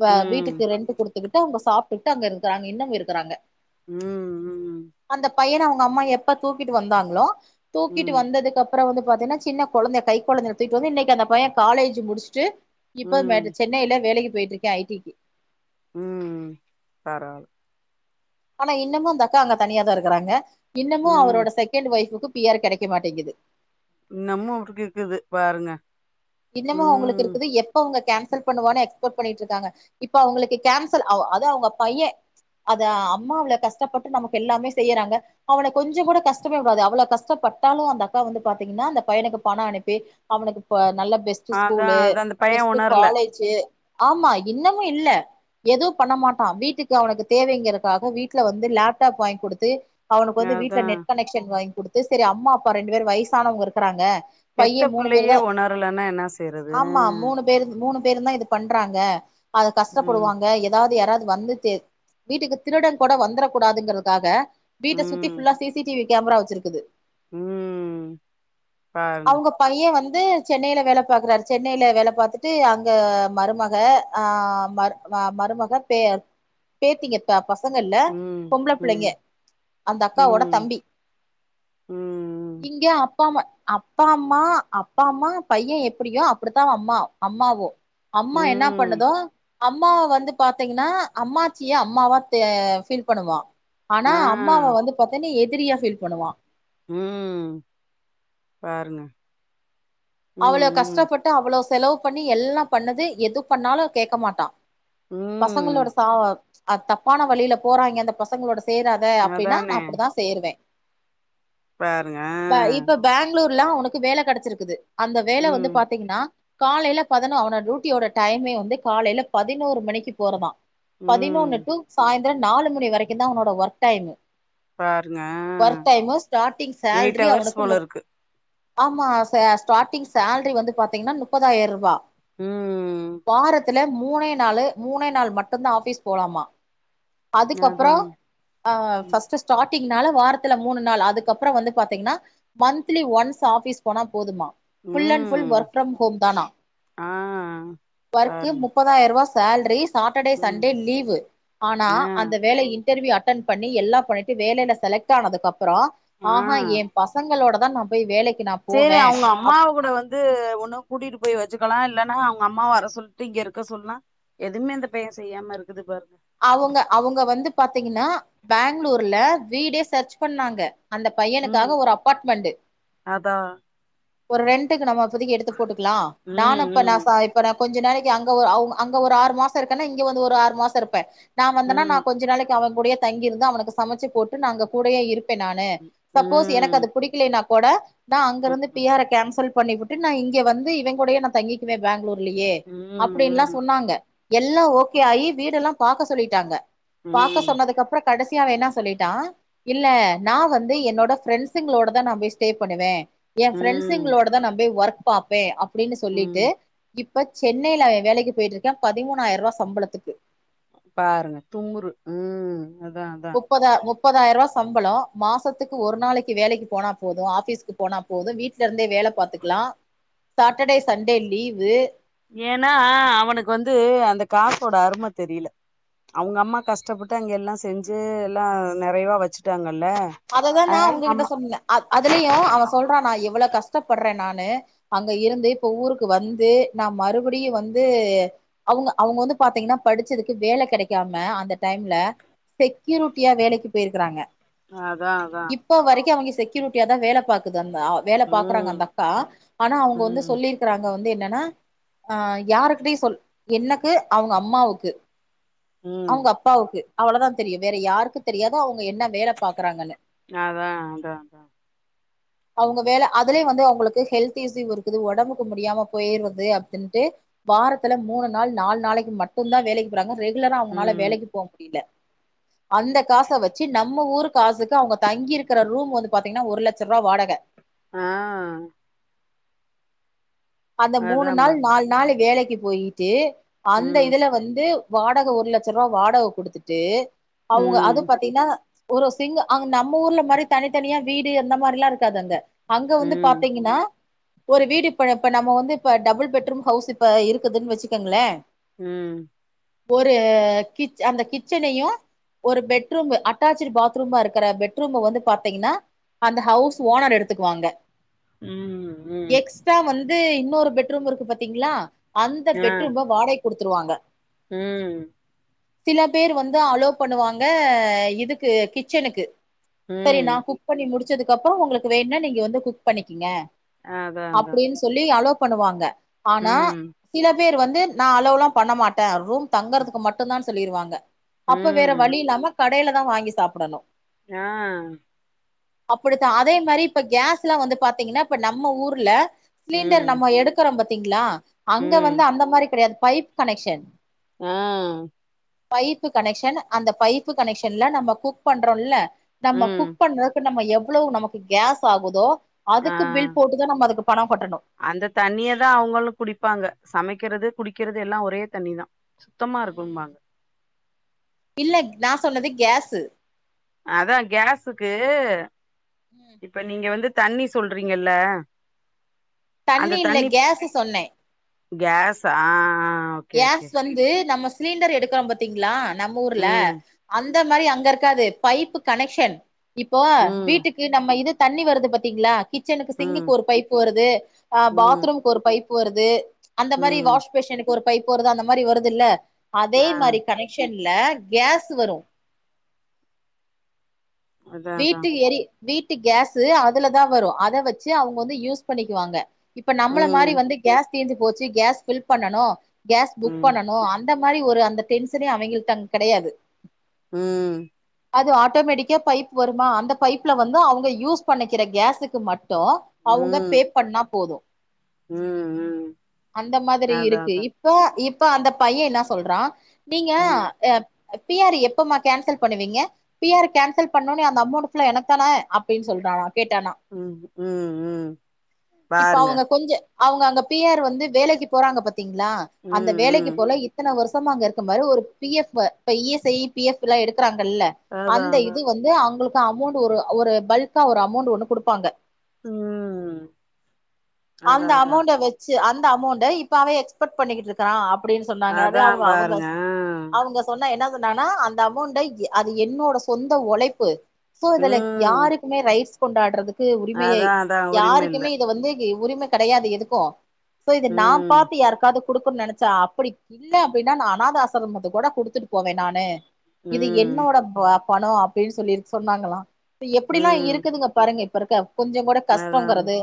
வ ம் ம் வீட்டுக்கு ரெண்ட்டு குடுத்துக்கிட்டு அவ்ங்க சாப் ட்டு அங்க இருக்குறாங்க இன்னம் இருக்குறாங்க ம் ம் பையன அவுங்க அம்மா எப்ப தூக்கிட்டு வந்தாங்ளோ தூக்கிட்டு ம் வந்ததுக்கப்றோ வந்து பாத்தீங்னா சின்னக் கொழந்த கை கொழந்த தூக்கி வந்து இன்னக்கி அந்த பைய காலேஜு முடிச்சிட்டு இப்ப ம் [unintelligible] சென்னையில வேலைக்கி போய்ட்டு ஐ டி க்கு ம் பரவால ஆனா இன்னமு அந்தக்கா அங்க தனியாதா இருக்கறாங்க இன்னமு ம் அவரோட செகண்ட் ஒய்ஃபுக்கு பியர் கெடைக்க மாட்டேங்குது நம்ம உட்டுட்டு இருக்குது பாருங்க இன்னமு அவுங்களுக்கு ம் இருக்குது எப்ப அவுங்க கேன் சல் பண்ணுவானு எக்ஸ்பெக்ட் பண்ணிட்ருக்காங்க இப்ப அவங்களுக்கு கேன்சல் அ அது அவங்க பைய அத அம்மா அவள கஷ்டப்பட்டு நமக்கு எல்லாமே செய்யறாங்க அவன கொஞ்ச கூட கஷ்டமே விடாது அவள கஷ்டப்பட்டாலு அந்த அக்கா வந்து பாத்திங்கனா அந்த பையனுக்கு பண அனுப்பி அவனுக்கு இப்ப நல்ல பெஸ்ட் அதா ஸ்கூலு அதா அந்த பைய பெஸ்ட் உணரல காலேஜு ஆமா இன்னமு இல்ல எதுவு பண்ணமாட்டா வீட்டுக்கு அவனுக்கு தேவைங்கிறதுக்காக வீட்ல வந்து லேப்டாப் வாங்கி குடுத்து அவனுக்கு வந்து வீட்ல அதா நெட் கனெக்சன் வாங்கி குடுத் து செரி அம்மா அப்பா ரெண்டு பேரு வயசானவங்க இருக்கறாங்க பெத்த பைய மூணு பேர் புள்ளையே தா உணரலனா ஆமா மூணு பேரு மூணு பேருந்தா இத பண்றாங்க அது ம் கஷ்டப்படுவாங்க ஏதாவ்து யாரா து வந்து தெ வீட்டுக்கு திருடன் கூட வந்துரக் கூடாதுங்குறக்காக வீட்ட சுத்தி ம் ஃபுல்லா சிசிடிவி கேம்ரா வச்சிருக்குது ம் பாருங்க அவ்ங்க பைய வந் து சென்னையில வேலப் பாக்குறாரு சென்னையில வேல பாத்துட்டு அங்க மருமக ஆ மரு அ மருமக பே பேத்திங்க ப பச ங்க இல்ல ம் பொம்ப்ள ம் புள்ளைங்க அந்த அக்காவோட ம் தம்பி ம் இங்க அப் ப்பாமா அப்பா அம்மா அப்பா அம்மா பைய எப் ப்டியோ அப்புடித்தா அவ அம்மா அம்மாவு அம்மா என்னா ம் பண்ணுதோ அம்மாவ வந்து பாத்தீங்கன்னா அம்மாச்சியே அம்மாவா தே ஃபீல் பண்ணுவா ஆனா ஆ அம்மாவ வந்து பத்தென்னீ எத் திரியா ஃபீல் பண்ணுவா ஊம் பாருங்க அவ்ளோ ம் ம் கஷ்டப்பட்டு அவ்ளோ ஸ் செலவு பண்ணி எல்லாம் பண்ணது எது பண்ணாலு கேட்க மாட்டா ம் பசங்களோட சா அத் தப்பான வழியில போறாயிங்க அந்த பசங்ளோட ஸ் சேராத அப்டின்னா நா அதானே அப்புடிதா சேருவே பாருங்க ப்ப இப்ப பேங்ளூர் புல்லாவ் உனக்கு வேல கெடச்சிருக்குது அந்த வேல வந்து ம் பாத்தீங்ன்னா காலைல பதனோ அவன டியூட்டியோட டைமே வந்து காலைல பதினோர் மணிக்கு போறதா ம் பதினோன்னு டு சாய்ந் ந்ர நாலு முணி வரைக்கு தா அவனோட ஒர்க் டைமு பாருங்க work time starting eight salary hours அவனுக்கு போல முப் இருக்கு ஆமா சேஸ் ஸார்ட்டிங் சேல்ரி வந்து பாத்தீங்னா நுப்பதாயிர் ரூபா உம் இதுல மூனே நாலு மூனே நாள் மட்டுந்தா ஆஃபீஸ் போலாமா அதா அதுக்கப்புறோ ஆஹ் ஃபர்ஸ்ட் ஸ்டார்ட் ஸ்டாடிங்னால வாரத்துல மூணு நாள் அதுக்கப்றோ வந்து பாத்தீங்னா மந்த்லி ஒன்ஸ் ஆஃபீஸ் போனா போதுமா full and full work from home தானா ஆஹ் வர்க்கு முப்பதாயிர்ரூபா ஸ் சால்ரி சாட்டர்டே ம் சண்டே லீவு ஆனா ஆ அந்த வேலை இன் இண்டர்வியூ அட்டன் பண்ணி எல்லா பண்ணிட்டு வேலைல செலக்ட் ஆனதுக்கப் ப்றோ ஆ ஆஹா ஏ பசங்களோடப் தா நா போய் வேலைக்கு நா சேரி போவே அவுங்க அம்மாவ கூட அப்டின்னு வந்து ஒன்னும் கூட்டிட்டு போய் வச் வச்சுக்கலா இல்லன்னா அவுங்க அம்மாவ வர சொல்லிட்டு இங்க இருக்க சொல்லா எதுவுமே அந்த பையன் செய்யாம இருக்குது பாரு அவுங்க அவுங்க வந்து பாத்தீங்கன்னா பெங்களூர்ல வீடே சர்ச் பண்ணாங்க அந்த ம் பையனுக்காக ஒரு அப்பார்ட்மெண்ட் அதா ஒரு ரெண்டுக்கு நம்ம இப்போதைக்கு எடுத்து போட்டுக்கலாம் ம் நானப்ப நா ம் ச இப்ப ந கொஞ்ச நாளைக்கு அங்கங்க ஓ அவுங்க அங்க ஒரு ஆறு மாசம் இருக்கணு இங்க வந்து ஒரு ஆறு மாசம் இரு ப நா வந்தனா நா ம் கொஞ்ச நாளைக்கு அவங் கூடையே தங்கிருந்து அவனுக்கு சமைச்சு போட்டு நாங்க கூடையே இருக் பேன் நானு சப்போஸ் எனக்கு அது ம் பிடிக்கலே ந கூட நா அங்க ம் இருந்து பி ம் ஆர் கேன்சல் பண்ணி விட்டு நா இங்க வந்து இவங்களுடைய நா தங்கிக்குவே பங்களூர் இல்லையே அப்படின்னுல்லா சொன்னாங்க எல்லாம் ஓகே ஆகி வீடெல்லாம் பாக்க சொல்லிட்டாங்க ம் ம் பாக்க சொன்னதுக்குப்புறம் கடைசியா அவன் என்ன சொல்லிட்டா இல்ல நா வந்து என்னோட பிரரெண்ட்ஸுங்களோட தா நா போய் ஸ்டே பண்ணுவேன் என் ம் ஃப்ரெண்ட்ஸுங்களோட தா நா போய் ஒர்க் பாப்பே அப்படின்னு சொல்லிட்டு ம் இப்ப இப்ப சென்னையில வேலைக்கு போயிட்டு இருக்கே பதிமூணாயிரம் ரூபா சம்பளத்துக்கு பாருங்க தும்முரு உம் முப்பத முப்ப முப்பதாயிரம் ரூபா சம்பளம் மாசத்துக்கு ஒரு நாளைக்கு வேலைக்கு போனா போதும் ஆபீஸ்க்கு போனா போதும் வீட்ல இருந்தே வேலை பார்த்துக்கலாம் சாட்டர்டே சண்டே லீவு ஏன்னா ஹ அவனுக்கு வந்து அந்த காசோட அருமை தெரியல அவங்க அம்மா கஷ்டப்பட்டு அங்க எல்லாம் செஞ்சு எல்லாம் நிறைவா வச்சுட்டாங்க அததான் நா உங்ககிட்ட சொன்னேன் அதுலயும் அவன் சொல்றான் நா அவ்வளவு கஷ்டப்படுறேன் நானு அங்க இருந்து இப்ப ஊருக்கு வந்து நா மறுபடியும் வந்து அவங்க அவங்க வந்து பாத்தீங்கன்னா படிச்சதுக்கு வேலை கிடைக்காம அந்த டைம்ல செக்யூரிட்டியா வேலைக்கு போயிருக்கறாங்க அதா அதா செக்யூட்டிய தா வேலை பாக்குது அந்த வேலை பார்க்கறாங்க ம் அந்த அக்கா ஆனா அவங்க வந்து ம் சொல்லியிருக்கிறாங்க வந்து என்னன்னா அஹ் யாருக்கிட்ட சொல் என்னக்கு அவங்க அம்மாவுக்கு ம் அவங்க அப்பாவுக்கு அவ்வளோதா தெரியும் வேற யாருக்கு தெரியாதோ அவங்க என்ன வேல பாக்குறாங்கன்னு அதா அதா அவங்க வேலை அதுலயே வந்து அவங்களுக்கு ஹெல்த் ஈஸியும் இருக்குது உடம்புக்கு முடியாம போயிறது அப்படின்ட்டு வாரத்துல மூணு நாள் நாலு நாளைக்கு மட்டும்தா வேலைக்கு போறாங்க இல்லன்னா அவகணால ம் வேலைக்கு போ முடியல அந்த காச வச்சு நம்ம ஊருக்கு காசுக்கு அவுங்க தங்கி இருக்கிற ரூம் வந்து பாத்தீங்கன்னா ஒரு லட்ச ரூவா வாடக ஆ அந்த அதா மூணு நாள் பாருங்க நாலு நாள் வேலைக்கு போயிட்டே அந்த ம் இதுல வந்து வாடக ஒரு லட்ச ரூவா வாடக குடுத்துட்டு அவுங்க அது ம் பாத்தீங்கன்னா ஒரு சிங்க அங்க நம்ம ஊர்ல மாரி தனித்தனியா வீடு அந்த மாரில்லாம் இருக்காது அங்க அங்க வந்து ம் பாத்தீங்கனா ஒரு வீடு இப்ப பன் நம்மோ வந்து இப்ப டபுள் பெட்ரூம் ஹவுஸ் இப்ப இருக்குதுன் வெச்சுக்கோங்களே ம் ஒரு கிச் அந்த கிச்சனையு ஒரு பெட்ரூமு அட்டாச்சிட்டு பாத்ரூமா இருக்கற பெட்ரூம்மா வந்து பாத்தீங்கனா அந்த ஹவுஸ் ஓனர் எடுத்துக்குவாங்க ம் ம் து இன்னொரு பெட்ரூம் இருக்கு பாத்தீங்ளா அந்த ஆ பெட்ரூம்மா வாடகை குடுத்துருவாங்க ம் சில பேர் வந்து அலோ பண்ணுவாங்க இதுக்கு கிச்சனுக்கு செரி ம் நா குக் பண்ணி முடிச் ச்சதுக் கப்பறோ உங்களுக்கு வேணுனா நீங்க வந்து குக் பண்ணிக்கீங்கே அதா அதா கி அலோ பண்ணுவாங்க ஆனா ம் சில பேர் வந்து நா அலோவுலா பண்ண மாட்டே ரூம் தங்கறதுக்கு மட்டுந்தான் சொல்லீருவாங்க அப்ப வேற ம் வழி இல்லாம கடைல வும் வாங்கி சாப்பிடணும் ஆ அப்பிடித்தான் அதே மாரி இப்ப கேஸ்ல வந்து பாத்தீங்கன்னா இப்ப நம்ம ஊர்ல சிலிண்டர் ம் நம்ம எடுக்கரம்ப த்தீங்களா அங்க ம் வந்து அந்த மாரி கெடையாது பைப் கனெக்க்ஷன் ஆ பைப்பு கனெக்க்ஷன் அந்த பைப்பு கனெக்க்ஷன்ல நம்ப குக் பண்றோம்ல்ல நம்ப ம் குக் பண்றப்ப நம்ப எவ் எவ்வளவு நமக்கு கேஸ் ஆகுதோ ஆ அதுக்கு பில் போட்டுதான் நம்ம அதுக்கு பணம் அந்த தண்ணிய தான் அவங்களும் குடிப்பாங்க. சமைக் குக்கிறது குடிக்கிறது எல்லாம் ஒரே தண்ணி தான் சுத்தமா இருக்கும் ம் பாங்க இல்ல நான் சொன்னது கேஸு அதான் கேஸ்க்கு இப்ப நீங்க வந்து தண்ணி சொல்றீங்கல்ல. தண்ணி இல்ல கேசு சொன்னேன். கேஸ் ஆ ஓகே ஓகே கேஸ் வந்து நம்ம சிலிண்டர் எடுக்கிறோம் பாத்திங்களா நம்ம ஊர்ல ம் அந்த மாரி அங்க இருக்காது பைப்பு கனெக்ஷன் இப்போ ம் வீட்டுக்கு நம்ம இது தண்ணி வருது பாத்தீங்களா கிச்சனுக்கு ம் சிங்குக்கு ஒரு பைப்பு வருது ஆஹ் ம் பாத்ரூமுக்கு ஒரு பைப் போறது அந்த மாதிரி ம் வாஷ் பேஷன்க் ஒரு பைப்பு போ வருது அந்த மாரி வருது இல்ல அதே ஆ மாரி கனெக்ஷன் இல கேஸ் வரும் அதா அதா வீட்டுக்கு எறி வீட்டு கேஸ் அதுலதான் வரும் அத வச்சு அவங்க வந்து யூஸ் பண்ணிக்குவாங்க. இப்ப நம்மள ம் மாரி வந்து கேஸ் தீர்ந்து போச்சு கேஸ் பில் பண்ணனும் கேஸ் புக் ம் பண்ணணும் அ ந்த மாரி ஒரு அந்த டென்ஷனே அவங்கள தங்க கிடையாது உஹம் அது ஆட்டோமேட்டிக்கா பைப் வருமா அந்த பைப்ல வந்து அவங்க யூஸ் பண்ணிக்கிற கேஸுக்கு மட் டும் அவங்க ம் பே பண்ணா போதும் ம் ம் அந்த மாதிரி அதா இருக்கு அதா இப்ப இப்ப அந்த பையன் என்ன சொல்றான் நீங்க ம் ய பி ஆர் எப்பமா கேன்சல் பண்ணுவீங்க பி ஆர் கேன்சல் பண்ண அந்த அமௌண்ட் எனக்கு தானே அப்டின் சொல்றான உம் உம் உம் பாருங்க அவ்ங்க அங்க பி ஆர் வந்து வேலைக்கி போறாங்க பத் திங்ளா அந்த ம் வேலைக்கு ம் போல இத்தன வர்ஷோ மும் அங்க இருக்க மாரி ஒரு பி எப் இப்ப E S I P F எல்லா எடுக்கிறாங் ல்ல அதா அந்த அதா இது அவ்ங்களுக்கு அமௌண்ட் ஒரு ஒரு பல்க்கா ஒரு அமௌண்ட் ஒண்ணு குடுப்பாங்க ம் அதா அந்த அதா அமௌண்ட வச்சு அந் த அமௌண்ட இப்ப எக்ஸ்பெர்ட் பண்ணிகிட்டு இருக்கறான் அப் அப்டின்னு சொன்னாங்க அது அதா அவ்ங்க அவ்ங்க பாருங்க அவ்ங்க சொன்ன என்ன சொன்னனா அந்த அமௌண்ட எ அது என்னோட சொந் த ஒழைப்பு சோ இதுல ம் யாருக்குமே ரைட்ஸ் கொண்டாடுறது உரிமையை அதா அதா உரிம இல்ல யாருக்குமே இத வந்து கி உரிம கெடையாது எதுக்கு சோ இது நா ம் பா்த்து யாருக்காவ்து குடுக்கன்னனு நெனைச்சா அப்டி இல்ல அப்டின்னா அநாதா ஆசரமத்கோட குடுத்துட்டு போவே நானு இது ம் என்னோட பாப் பணம் அப்டின்னு சொல்லிருக்கு சொன்னாங்களா எப்டிலா ம் இருக்குதுங்க பாருங்க ப்ப இருக்க கொஞ்சோ கூட அதாங்க கஷ்டங்கிறது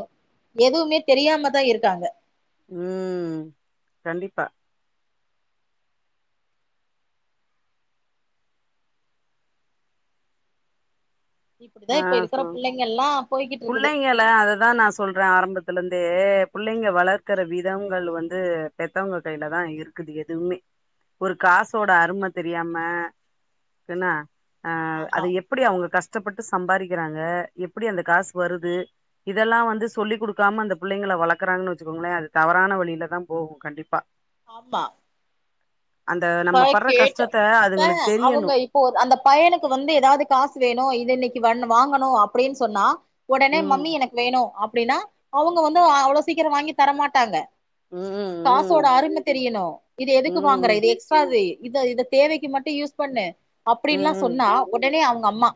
எதுவுமே தெரியாம தா இருக்காங்க உம் கண்டிப்பா இப்படிதா இப்ப ஆஹ் இருக்கிற சொ பிள்ளைங்க எல்லா போய்கிட்டு இருக்குது பிள்ளைங்க அததா நா சொல்றே ஆரம்பத்துல இருந்து து பிள்ளைங்க வளர்க்கற விதங்கள் வந்து பெத்தவங்க கையிலதா இருக்குது எதுவுமே ஒரு காசோட அரும தெரியாமா என்னா ஆஹ் ஆமா அது எப்டி அவ்ங்க கஷ்ட ட்டபட் சம்பாதிக்கிறாங்க எப்டி அந்த காசு வருது இதெல்லா வந்து சொல்லி குடுக்காம அந்த பிள்ளைங்கள வளர்க்குறாங்கன்னு வச்சுக்கோங்களே அது தவறான வழியிலதா போகு கண்டிப்பா ஆமா அந்த இப்ப நம்ம படுற கேட்ட கஷ்டத்த இப்ப அதுங்களுக்கு தெரியணு அவ்ங்க இப்ப ஒரு அந்த பையனுக்கு வந்து ஏதாவ்து காசு வேணு இது என்னைக் [unintelligible] வாங்கணு அப்டின்னு சொன்னா உடனே ம் மம்மி எனக்கு வேணு அப் அப்படின்னா அவங்க வந்து அவ்வளவு சீக்கிரம் வாங்கி தரமாட்டாங்க ம் ம் காசோட அரும தெரியணும் இது எதுக்கு வாங்குற ம் இது எக்ஸ் இத இத தேவைக்கு மட்டும் யூஸ் பண்ணு அப்படின்ல்லாம் ம் சொன்னா உடனே அவங்க ஆமா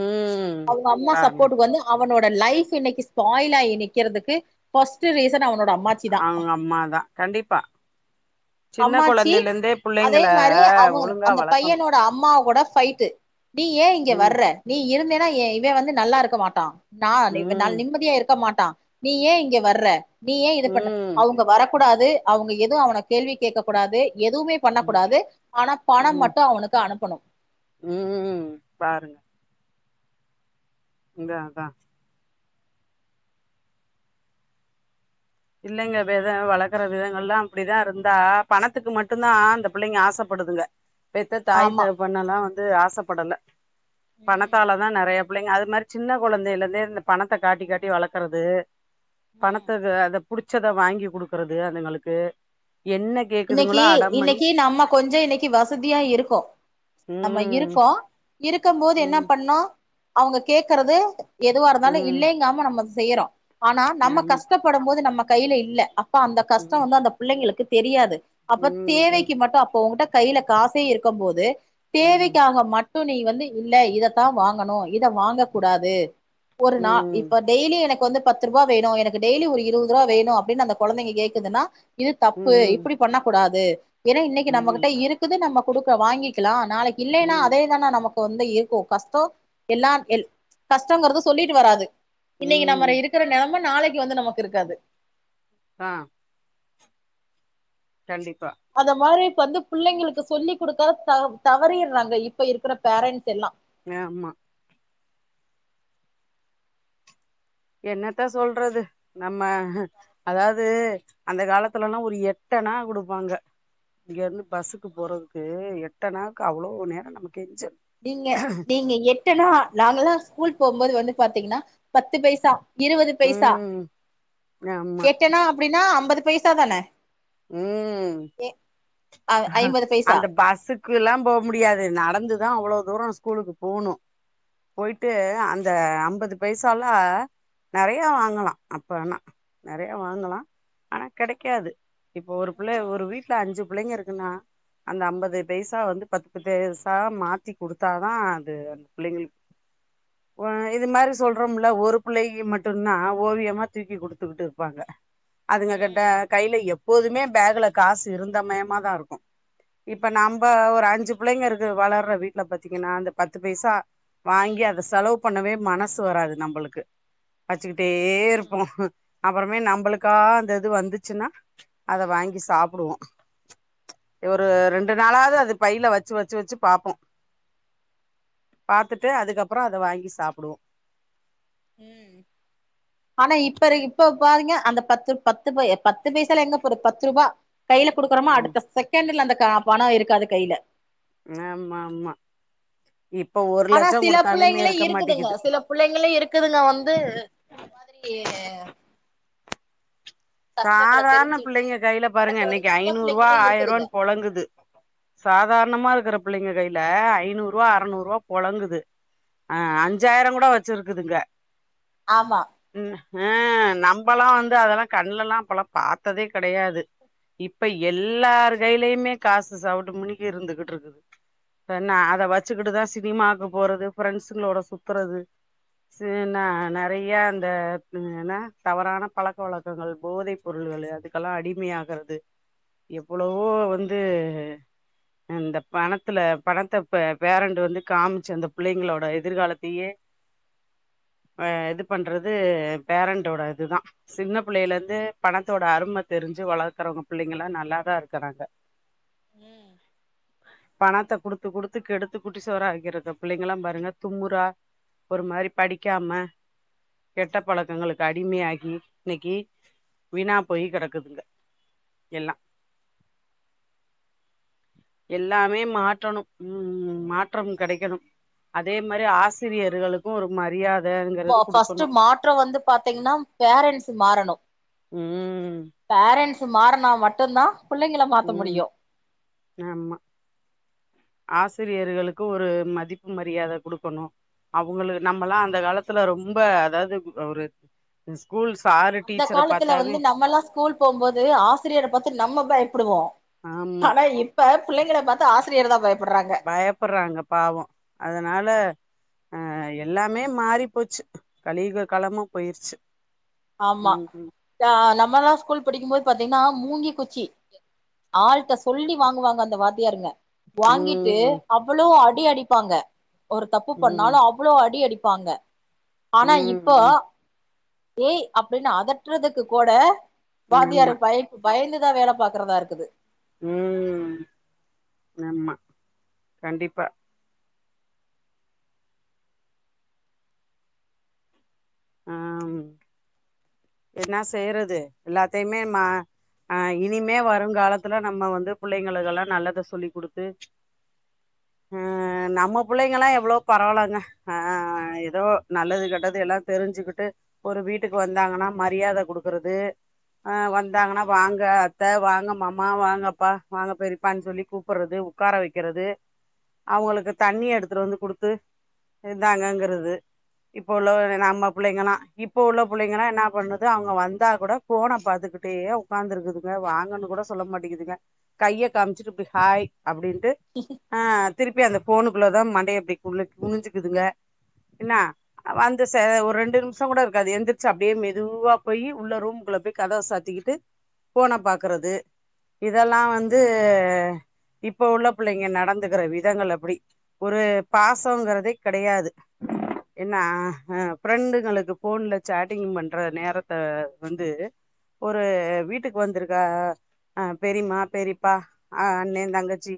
ம் அவங்க அம்மா பாருங்க சப்போர்டுக்கு வந்து அவனோட லைஃப் இன்னைக்கு ஸ்பாயில் ஆகி நிற்கிறதுக்கு பர்ஸ்ட் ரீசன் அவனோட அம் அவங்க அம்மாதான் கண்டிப்பா சின்ன குழ அம்மாச்சி அதே மாதிரி அவன் அந்த வளக்கணு பையனோட அம்மா கூட பைட்டு நீ ஏன் இங்க ம் வர்ற நீ இருந்தேன்னா இவே வந்து நல்லா இருக்க மாட்டான் நான் நால ம் நிம்மதியா இருக்க மாட்டான் நீ ஏன் இங்க வர்ற நீ ஏன் இது பண்ண ம் அவங்க வர கூடாது அவங்க எதுவும் அவனை கேள்வி கேட்க கூடாது எதுவுமே ம் பண்ணக்கூடாது ஆனா பணம் மட்டும் அவனுக்கு அனுப்பணும் உம் பாருங்க அதான் அதான் இல்லைங்க வேதம் வளர்க்கற விதங்கள் எல்லாம் அப்படிதான் இருந்தா பணத்துக்கு மட்டும்தான் அந்த பிள்ளைங்க ஆசைப்படுதுங்க பெத்த தாய் ஆமா தகப்பன்னல்லாம் ஆசைப்படல பணத்தால தான் நிறைய பிள்ளைங்க அது மாதிரி சின்ன குழந்தைில இருந்தே இந்த பணத்தை காட்டி காட்டி வளர்க்கறது பணத்துக்கு அதை புடிச்சத வாங்கி குடுக்குறது அதுங்களுக்கு என்ன இன்னைக்கு கேக்குதுங்களோ அடம் பண்ணி இன்னைக்கு நம்ம கொஞ்ச இன்னைக்கு வசதியா இருக்கோ நம்ம ம் இருக்கோ இருக்கு போது என்ன ம் பண்ணோ அவங்க கேக்குறது எதுவாக இருந்தாலும் ம் இல்லைங்காம நம்ம செய்யறோம் ஆனா நம்ம ஆமா கஷ்டப்படும் போது நம்ம கையில இல்ல அந்த கஷ்டம் ம் வந்து அந்த பிள்ளைங்களுக்கு தெரியாது அப்ப ம் தேவைக்கு மட்டும் அப்ப உங்கிட்ட கையில காசே இருக்கும் போது ம் ம் தேவைக்காக மட்டு நீ வந்து இல்ல இதத்தான் வாங்கணும் இத வாங்க கூடாது ஒரு நாள் ம் இப்ப டெய்லி எனக்கு வந்து பத்து ரூபா வேணும் எனக்குடெய்லி ஒரு இருபது ரூபா வேணு அப்படின்னு அந்தகுழந்தைங்க கேக்குதுன்னா இது ம் தப்பு கூடாது வெறு இன்னைக்கு ம் நம்மகிட்ட இருக்குது நம்ம கொடுக்க வாங்கிக்கலாம் நாளைக்கு இல்லைன்னா ம் அதேதானே நமக்கு வந்து இருக்கும் கஷ்டம் எல்லாம் கஷ்டம்ங்கறத சொல்லிட்டு வராது இன்னைக்கு நம்ம ம் இருக்கிற நிலைம நாளைக்கு வந்து நமக்கு இருக்காது ஆஹ் அந்த மாரி வந்து பிள்ளைங்களுக்கு சொல்லி் கொடுக்காத தவறிடுறாங்க இப்ப இருக்கிற பேரண்ட்ஸ் எல்லாம் ஆமா என்னத்தா சொல்றது நம்ம அதாவது அந்த காலத்துலல்லாம் ஒரு எட்டனா கொடுப்பாங்க இங்க இருந்து பஸ்ஸுக்கு போறதுக்கு எட்டனாவுக்கு அவ்வளவு நேரம் நமக்கு எரிச்சல் நீங்க நீங்க எட்டனா நாங்களா ஸ்கூல் போம் போது வந்து பாத்தீங்கன்னா பத்து பைசா இருபது பைசா ம் ஆமா எட்டனா அப்படின்னா ஐம்பது பைசா தானே உம் அ ஐம்பது பைசா அந்த பஸ்ஸுக்கு எல்லாம் போக முடியாது நடந்து தின அவ்வளவு தூரம் ஸ்கூலுக்கு போணும் போயிட்டு அந்த ஐம்பது பைசால நிறைய வாங்கலாம் அப்ப ஆனா நிறைய வாங்கலாம் ஆனா கிடைக்காது இப்ப ஒரு பிள்ளை ம் ஒரு வீட்டுல அஞ்சு பிள்ளைங்க இருக்குன்னா அந்த ஐம்பது பைசா வந்து பத்து பத்து வயசா மாத்தி கொடுத்தாதா அது அந்த பிள்ளைங்களுக்கு இது மாதிரி சொல்றோம்ல ஒரு பிள்ளை மட்டும் தான் ஓவியமா தூக்கி குடுத்துக்கிட்டு இருப்பாங்க அதுங்க கிட்ட ம் கையில எப் எப்பதுமே பேக்ல காசு இருந்தமயமா தான் இருக்கும் இப்ப நம்ம ஒரு அஞ்சு பிள்ளைங்க இருக்கு வளர்ற வீட்டுல பாரத்தீங்கன்னா அந்த பத்து பைசா வாங்கி அதை செலவு பண்ணவே மனசு வராது நம்மளுக்கு வச்சுக்கிட்டு அப்டியே ம் ம் இருப்போம் அப்புறமே நம்பளுக்கா அந்த இது வந்துச்சுன்னா அத வாங்கி சாப்டுவோம் ஒரு ரெண்டு நாளாவது அது பையில வச்சு வச்சு வச்சு பாப்போம் பாத்துட்டு அதுக்கப்புறம் அத வாங்கி சாப்டுவோம் உம் ஆனா இப்பரு இப்ப பாருங்க அந்த பத்து பத்து பத்து பைசாலா எங்க போறது பத்ருபா கையில குடுக்குறோமா ம் அடுத்த செகண்ட்ல அந்தக் கா பணம் இருக்காது கையில ஆமா ஆமா இப்ப ஒரு ஆனா லட்சோ சில குடுத்தாலுமே புள்ளைங்களே இருக்க இருக்குதுங்க மாட்டேங்குது சில புள்ளைங்களே இருக்குதுங்க வந்து இந்த மாரி சாதாரண தெரிஞ்சுக்கிட்டு புள்ளைங்க கையில பாருங்க இன்னிக்கு நடக்கறதுக்கு சில ஐநூறு ரூவா பிள்ளைங்களு ஆயிர இருக்குதுங்க ரூவான்னு பொழங்குது சாதாரணமா இருக்குற புள்ளைங்க கையில இல்ல ஐந்நூரூவா அறநூரூவா பொழங்குது ஆ அஞ்சாயிர கூட வச் வச்சு இருக்குதுங்க ஆமா ஹா நம்பல்லாம் வந்து அதெல்லாம் கண்லல்லா அப்பல்லா பாத்ததே கெடையாது இப்ப எல்லார் கையிலயுமே காசு சவுட்டு முனிக்கு இருந்துகிட்டுருக்கு இப்பென்னா அத வெச்சுக்கிட்டுதா சினிமாக்கு போறது ஃப்ரெண்ட்ஸ்சுங்களோட சுத்தறது சே னா நெறையா அந்த வு என்னா தவறான பழக் வழக் கங்கள் போதை பொருள்களே அதுக்கெல்லா அடிமையாகறது எவ்ளோவோ வந்து ஆ இந்த பணத்துல பணத்தப் பே ப்ரெண்ட் வந்து காமிச்சி அந்த புள்ளைங்களோட எதிர்காலத்தியே ஆ இது பண்றது ப்ரெண்ட்டோட இதுதா சின்ன புள்ளைலேந்து பணத்தோட அரும தெரிஞ்சு வளக்கறவுங்க புள்ளைங்கலா நல்லாதா இருக்கறாங்க ம் பணத்த குடுத்து குடுத்து கெடுத்து குட்டிச்செவுரா ஆக்கிறத புள்ளைங்களா பாருங்க தும்முரா ஒரு மாரி படிக்காம கெட்ட பழக்கங்களுக்கு அடிமையாகி இன்னிக்கி வீணா போயி கெடக்குதுங்கா எல்லா எல்லாமே மாற்றணோ ம் மாற்றம் கெடைக்கணு அதே மாரி ஆசிரியர்களுக்கோ ஒரு மரியாத போ ஃபர்ஸ்ட்டு மாற்றம் வந்து பாத்தீங்னாம் ப்ரெண்ட்ஸ் மாறணு ம் ப்ரெண்ட்ஸ் மாறனா மட் டுந்தா புள்ளைங்கள மாத்த ம் முடியு ஆமா ஆசிரியர்களுக்கு ஒரு மதிப்பு மரியாத குடுக்கணோ அவுங்களு நம்மல்லா அந்த காலத்துல ரொம்ப அதாது பு ப ஒரு ஸ்கூல் சாரு அந்த டீச்சர காலத்துல வந்து பாத்தாவே நம்மல்லா ஸ்கூல் போம்போது ஆசிரியர பாத்து நம்ம பயப்புடுவோ ஆமா பாத்து ஆசிரியர் தா பயப்படுறாங்க பயப்பறாங்க பாவோ அதனால ஆ எல்லாமே மாறி போச்சு கலியுக காலமா போயிர்ச்சி ஆமா யா நம்மல்லா ஸ்கூல் படிக்கும் மோது பாத் தீங்னா மூங்கி குச்சி ஆள்ட்ட சொல்லி வாங்குவாங்க அந்த வாத்தியாருங்க வாங்கிட்டு ம் அவ்வளோ அ அடி அடிப்பாங்க ஒரு தப்பு பண்ணாலு ம் அவ்ளோ அடி அடிப் ப்பாங்க ஆனா இப்ப ம் ஏய் அப்டின்னு அதட்றதுக்கு கூட ம் வாத்தியாரு ஆமா பய பயந்துதா வேல பாக்றதா இருக்குது ம் ஆமா கண்டிப்பா ஆம் என்னா செய்யறது எல்லாத்தையுமே மா ஆ இனிமே வருங்காலத்ததுல நம்ம வந்து புள்ளைங்களுக்குல்லா நல்லத சொல்லிக் குடுத்து ஆ நம்ம புள்ளைங்கலா எவ்ளோ பரவலாங்க ஆ ஏதோ நல்லது கெட்டது எல்லா தெரிஞ்சுக்கிட்டு ஒரு வீட்டுக்கு வந்தாங்கன்னா ரியாத குடுக்றது ஆ ம் வந்தாங்கன்னா வாங்க அத்த வாங்க மாமா வாங்கப்பா வாங்க பெரிப்பான் சொல்லி கூப்புட்றது ஒக்கார வக்கிறது ம் அவங்களுக்கு தண்ணி எடுத்துட்டு வந்து குடுத்து ம் இந்தாங்கங்கிறது இப்போ உள்ள நம்ம பிள்ளைங்கலா இப்போ உள்ள பிள்ளைங்கலா என்னாப் பண்ணுது அவுங்க வந்தா கூட ஔபோன பாத்துக்கிட்டே ஒக்காந்துருக்குதுங்க வாங்கன்னு கூட சொல்ல மாட்டிங்கிதுங்க கைய காமிச்சுட்டு இப்டி ஹாய் அப்டின்ட்டு ஆ திருப்பி அந்த ஃபோனுக்குள்ள தா மண்டைய அப்டி குள்ள குனிஞ்சுக்குதுங்க என்னா வந்து சே ஒரு ரெண்டு நிமிஷோ கூட இருக்காது எந்திரிச்சு அப்டே மெ துவா போயி உள்ள ரூம்குள்ள போயி கதவ சாத்திக்கிட்டு ஃபோன பாக்றது இதெல்லா வந்து இப்ப உள்ள புள்ளைங்க நடந்துகிற விதங்கள் அப்டி ஒரு பாசங்கறதே கெடயாது என்னா ஆ ஆ ஃப்ரண்டுங்களுக்கு ஃபோன்ல சேட்டிங் பண் ற நேரத்த வந்து ஒரு வீட்டுக்கு வந்திருக்க ஆ பெரிமா பெரிப்பா அண்ணே தங்கச்சி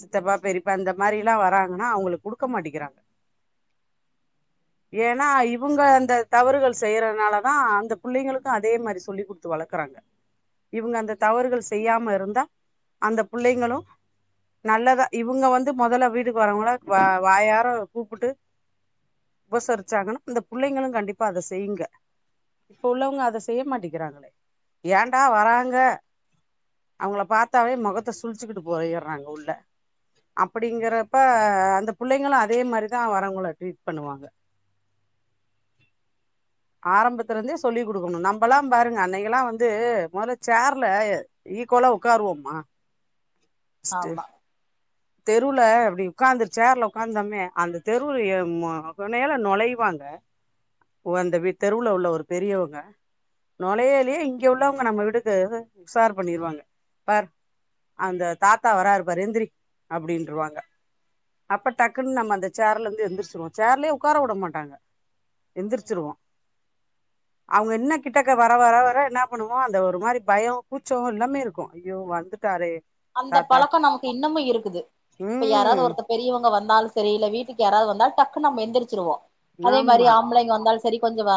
சித்தப்பா பெரிப்பா இந்த மாரில்லா வராங்கன்னா அவுங்களுக்கு குடுக்க மாட்டிக்கிறாங்க ஏன்னா இவங்க அந்த தவறுகள் செய்யறதுனால தா அந்த புள்ளைங்களுக்கூ அதே மாரி சொல்லி குடுத்து வளக்குறாங்க இவங்க அந்த ம் தவறுகள் செய்யாம இருந்தா அந்த புள்ளைங்களூ நல்லதா இவுங்க வந்து மொதல்ல வீட்டுக்கு வரவங்கள வா வாயார கூப்பிட்டு உபசரிச்சாங்கன்னா அந்த புள்ளைங்களூ கண்டிப்பா அத செய்யுங்க இப்ப உள்ளவங்க அத செய்ய மாட்டிக்கிறாங்களே ஏண்டா வராங்க அவுங்கள பாத்தாவே மொகத்த சுலிச்சுக்கிட்டு போயிறாங்க உள்ள அப்படிங்கறப்ப அந்த புள்ளைங்களூ அதே மாரிதா வரவங்கள ட்ரீட் பண்ணுவாங்க ஆரம்பத்துலேந்தே சொல்லி குடுக்கணூ நம்பல்லா பாருங்க அன்னைக்கலா வந்து மொதல்ல சேர்ல ஈக்கோலா ஒக்காருவோமா ஆமா தெருவுல இப்டி ஒக்காந்து சேர்ல ஒக்காந்தமே அந்த தெருவுலயே மொ மொனைல நொழைவாங்க வந்த வி தெருவுல உள்ள ஒரு பெரியவங்க நொழையிலயே இங்க உள்ளவங்க நம்ம வீட்டுக்கு உசார் பண்ணிருவாங்க பார் அந்த தாத்தா வராருப்பாரு எந்திரி அப்படின்ருவாங்க அப்ப டக்குன்னு நம்ம அந்த சேர்ல இருந்து எந்திரிச்சுருவோ சேர்லே ஒக்கார உட மாட்டாங்க ம் எந்திரிச்சிருவோ அவுங்க இன்னு கிட்டக்க வர வர வர என்னா பண்ணுவோ அந்த ஒரு மாரி பயோ கூச்சே எல்லாமே இருக்கூ ஐயோ வந்துட்டாரே அந்த தாத்தா பழக்கோ நமக்கு இன்னமூ இருக்குது இப்ப யாராவ்து ம் ஒருத்த பெரியவங்க வந் ந்தால் செரி இல்ல வீட்டுக்கு யாராவ வந்தால் டக்குனு நம்ம எந்திரிச்சிருவோ அதே மாரி ஆமா ஆம்ப்ளைங்க வந்தால் செரி கொஞ்சோ வா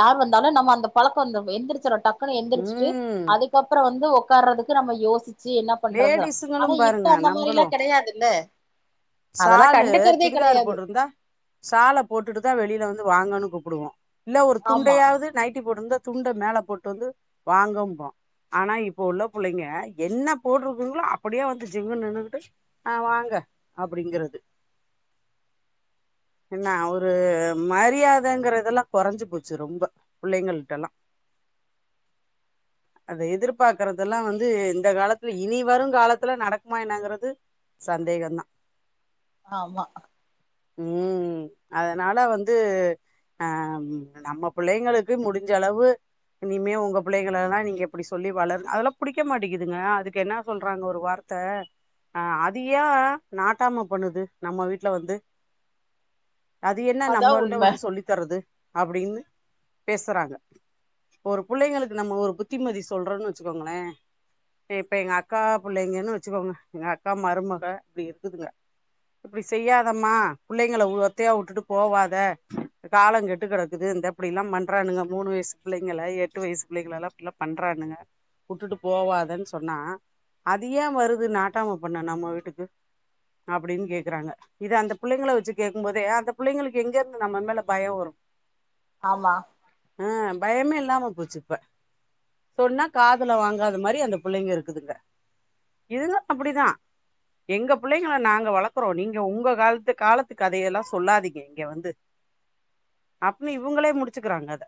யார் வந்தாலூ நம்ம அந்த பழக்கோ வந்த எந்திரிச்சிர்றோ டக் குனு எந்திரிச்சுட்டு ம் அதுக்கப்றோ வந்து ஒக் க்காறதுக்கு நம்ம யோசிச்சு பண்றத லேடிஸுங்களு ஆனா இப்ப அந்த மாரிலா கெடயாதுல்ல சாலு சுடிதார் போட்டுருந்தா சால போட்டுட்டு தா வெளில வந்து வாங்கனு கூப் புடுவோ இல்ல ஒரு ஆமா துண்டயாவது நைட் ட்டி போட்டுருந்தா துண்ட மேல போட்டு வந்து வாங்கம்ப்போ ஆனா இப்போ உள்ள புள்ளைங்க என்ன போட்டுருக்குங்ளோ அப்டியே வந்து ஜிங்குனு நின்னுட்டு ஆ வாங்க அப்டிங்கிறது என்ன ஒரு மரியாதங்கிறதெல்லா கொறஞ்சு போச்சு ரொம்போ புள்ளைங்கள்ட்டலா அத எதிர்பாக்றதெல்லா வந்து இந்த காலத்துல இனி வரூங் காலத்துல நடக்குமா என்னங்கிறது சந்தேகந்தா ஆமா ம் அதுனால வந்து ஆ நம்ம பிள்ளைங்களுக்கு முடிஞ்சளவு இனிமே உங்க பிள்ளைங்களல்லா நீங்க இப்டி சொல்லி வளர் அதெல்லா புடிக்க மாட்டிக்குதுங்க அதுக்கு என்ன சொல்றாங்க ஒரு வார்த்த ஆ அது ஏ நாட்டாம பண்ணுது நம்ம வீட்ல வந்து அது என்ன அதா நம்மள்ட்ட உண்ம வந்து சொல்லி தர்றது அப்டின்னு பேசுறாங்க ஒரு புள்ளைங்களுக்கு நம்ம ஒரு புத்திமதி சொல்றோன்னு வச்சுக்கோங்களே இப்ப எங்கக்கா புள்ளைங்கன்னு வச்சுக்கோங்க எங்கக்கா மருமக ப்டி இருக்குதுங்க இப்டி செய்யாதம்மா புள்ளைங்கள வு ஒத்தையா உட்டுட்டு போவாத காலங் கெட்டு கிடக்குது இந்த இப்டில்லாம் பண்றானுங்க மூணு வய்ஸ் பிள்ளைங்கள எட்டு வய்ஸ் பிள்ளைங்களல்லா அப்டிலா பண்றானுஅ உட்டுட்டு போவாதென் சொன்னா அத ஏ வருது நாட்டாம பண்ண நம்ம வீட்டுக்கு அப்டின் கேக்குறாங்க இத அந்த புள்ளைங்கள வச்சு கேக்கும்போதே அந்த புள்ளைங்களுக்கு எங்கெருந்து நம்ம மேல பயோ வரு ஆமா அ பயமே இல்லாம போச்சு இப்ப சொன்னா காதுல வாங்காத மாரி அந்த புள்ளைங்க இருக்குதுங்க இதுங்கப் அப்படிதா எங்க புள்ளைங்கள நாங்க வளக்குறோ நீங்க உங்க காலத்து காலத்து கதையெல்லா சொல்லாதீங்க இங்க வந்து அப்மே இவுங்களே முடிச்சுக்குறாங்க அத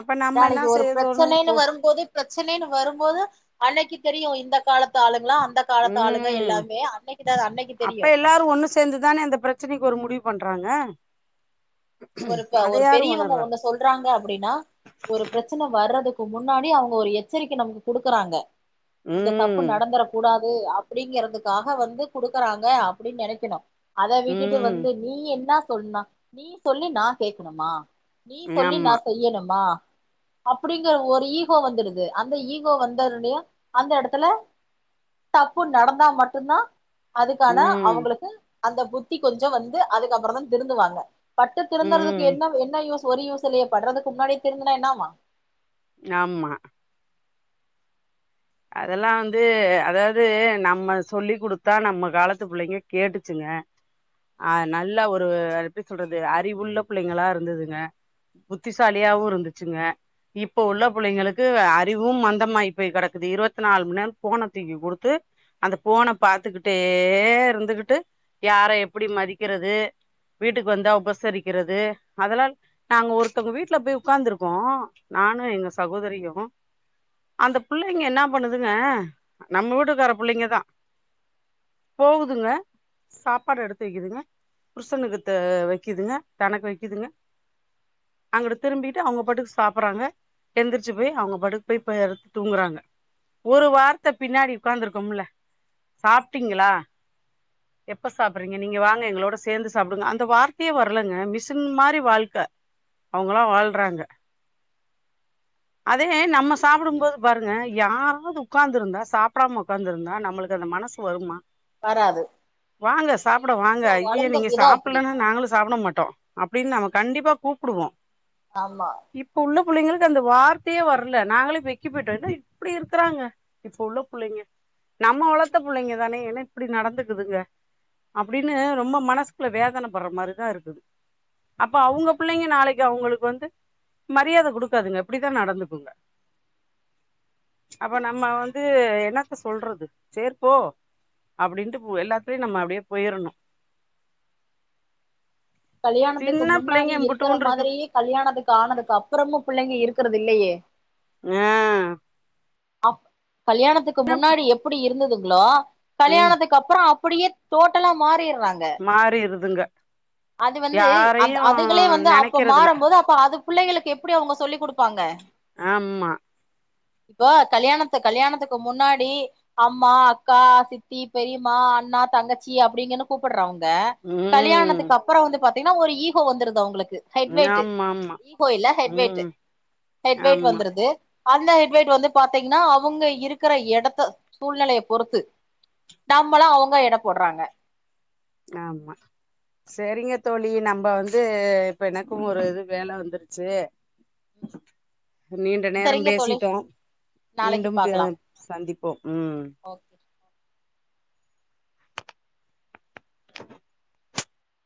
அப்ப நம்ம என்ன நாளக்கி ஒரு செய்ய தோணு ப்ரச்சனைன்னு போ வரும்போது ப்ரச்சனைன்னு வரும்போது அன்னைக்கி தெரியு இந்த காலத்து ஆளுங்லா அந் இந்த காலத்து ஆளுங்க ம் எல்லாமே அன்னைக்கி தா அன்னைக்கி அப்ப தெரியு எல்லாரு ஒண்ணு சேந்துதானே அந்த பிரச்சனைக்கு ஒரு முடிவு பண்றாங்க ஒருக்க அத ஒரு யாரு பெரியவங்க ஒணர்றா ஒண்ணு சொல்றாங்க அப்படின்னா ஒரு ப்ரச்சன வர்றதுக் ப்போ முன்னாடி அவங்க ஒரு எச்சரிக்கை நமக்கு குடுக்குறாங்க இந்த தப்பு ம் நடந்துரக் கூடாத் உ அப்டிங்கறதுக்காஹ வந்து குடுக்குறாங்க அப்டின் நெனைக்கணு அத விட்டுட்டு ம் வந்து நீ என்னாஸ் தொன்னா நீஸ் சொல்லி நா கேக்கணுமா நீ சொல்லி நா ஆமா செய்யணுமா அப்டிங்கற ஒரு ஈகோ வந்துடுது அந்த ஈகோ வந்த டெனே அந்த எடத்துல தப்பு நடந்தா மட்டுந்தா அதுக்கான ம் அவங்களுக்கு அந்த புத்தி கொஞ்சோ வந்து அதுக்கப்பறந் தா திருந்துவாங்க பட்டு திருந்தறதுக்கு ம் என்ன என்ன யூஸ் ஒரு யூஸ் இல்லையே படுறதுக்கு முன்னாடி திருந்துனா என்னவா ஆமா அதெல்லா வந்து அதாவது நம்ம சொல்லிக் குடுத்தா நம்ம காலத்து பிள்ளைங்க கேட்டுச்சுங்க அ நல்லா ஒரு எப்டி சொல்றது அறிவுள்ள பிள்ளைங்களா இருந்ததுங்க புத்திசாலியாவு இருந்துச்சுங்க இப்போ உள்ள புள்ளைங்களுக்கு அர் அறிவு மந்தமாயி போய் கடக் குது இருவத் நாலு மணி நேரமு ஃபோன தூக்கி குடுத்து அந்த ஃபோன பாத்துக்கிட்டே இருந்துகிட்டு யார எப்படி மதிக்கிறது வீட்டுக்கு வந்தா உபசரிக்கிறது அதல்லா நாங்க ஒருத்தவங்க வீட்ல போய் உக்காந்துருக்கோ நானு எங்க சகோதரியு அந்த புள்ளைங்க என்ன பண்ணுதுங்க நம்ம வீட்டுக்கார புள்ளைங்க தா போகுதுங்க சாப்பாடு எடுத்து வைக்குதுங்க புருஷனுக்கு த வைக்கிதுங்க தனக்கு வைக்குதுங்க அங்குட்டு திரும்பிட்டு அவங்க பாட்டுக்கு சாப்பறாங்க எந்திரிச்சு போய் அவங்க பாட்டுக்கு போய்ப்ப தூங்குறாங்க ஒரு வார்த்த பின்னாடி உக்காந்துருக்கோம்ல சாப்ட்டீங்களா எப்ப சாப்பறீங்க நீங்க வாங்க எங்களோட சேந்து சாப்டுங்க அந்த வார்த்தையே வர்லங்க மிசின் மாரி வாழ்க்க அவங்கல்லா வாழ்றாங்க அதே நம்ம சாப்புடும்போது பாருங்க யாராது உக்காந்து இருந்தா சாப்டாம உட்காந்து இருந்தா நம்மளுக்கு அந்த மனசு வருமா வராது வாங்க சாப்ட ஏன்னா வாங்க நம்ம ஏயிய வளந்த நீங்க விதோ அப்டி சாப்பிடலன்னா நாங்களு சாப்ட மாட்டோ அப்டின்னு நமக் கண்டிப்பா கூப்டுவோ ஆமா இப்ப உள்ள புள்ளைங்களுக்கு அந்த வார்த்தையே வர்ல நாங்களே போய் க்கி போயிட்டோ என்ன இப்டி இருக்குறாங்க இப்ப உள்ள புள்ளைங்க நம்ம வளத்த புள்ளைங்க தானே என்ன இப்டி நடந்துக்குதுக அப்டினு ரொம்ப மனசுக்குள்ள வேதன பட்ற மாரிதா இருக்கு அப்ப அவுங்க பிள்ளைங்க நாளைக் கு அவுங்களுக் வந்து மரியாத குடுக்காதுங்க அப்டிதா நடந்துக்குங்க அப்ப நம்ம வந்து என்னத்த சொல்றது சேர் போ அப்படின்ட்டு பு எல்லாத்லயு நம்ம அப்டியே போயிரணு கல்யாணத்துக்கு சின்ன முன்னாடி புள்ளைங்க இருக்கற எம்புட்டுண்டு இருக்குது மாதிரி கல்யாணத்துக் ஆனதுக்கப்புறமு புள்ளைங்க இரு க்கறதில்லயே ஏஹ் அப் கல்யாணத்துக்கு முன்னாடி எப்புடி இருந்தது ஹ்லோ ம் கல்யாணத்துக்கப்பறோ அப் புடியே டோட் டல்லா மாறிர்றாங்க மாறிருதுங்க அது வந்து அந் யாரையு அதுகளே வந்து அப்ப நெனைக்கிறதுல மாறம்போது அப்ப அது புள்ளைகளுக்கு எப்டி அவங்க சொல்லிக் குடுப்பாங்க. ஆமா இப்ப கல்யாணத்து கல்யாணத்துக்கு முன்னாடி அம்மா அக்கா சித்தி பெரியம்மா அண்ணா தங்கச்சி அப்டின்னு தான கூப்பட்றா ங்க ம் கல்யாணத்துக் கப்றோ வந்து பாத்தீங்னா ஒரு ஈகோ வந்துருது அவுங்களுக் கு ஹெட் வெயிட்டு ஆமா ஆமா ஈகோ இல்ல ஹெட் வெயிட்டு ம் ஹெட் வெயிட் ஆமா வந்துருது அந்த ஹெட் வெய்ட் வந்து பாத்தீங்னா அவங்க இருக்கற எடத்த சூழ்நிலைய பொறுத்து நம்மல அவங்க எட போட்றாங்க. ஆமா செரிங்க தோழி நம்ம வந்து இப்ப எனக்கு ஒரு இது வேல வந்துருச்சு. நீண்ட நேரம் சரிங்க தோழி பேசிட்டோ நாளைக்கு மீண்டும் ப பாக்கலாம் சந்திப் ஓகே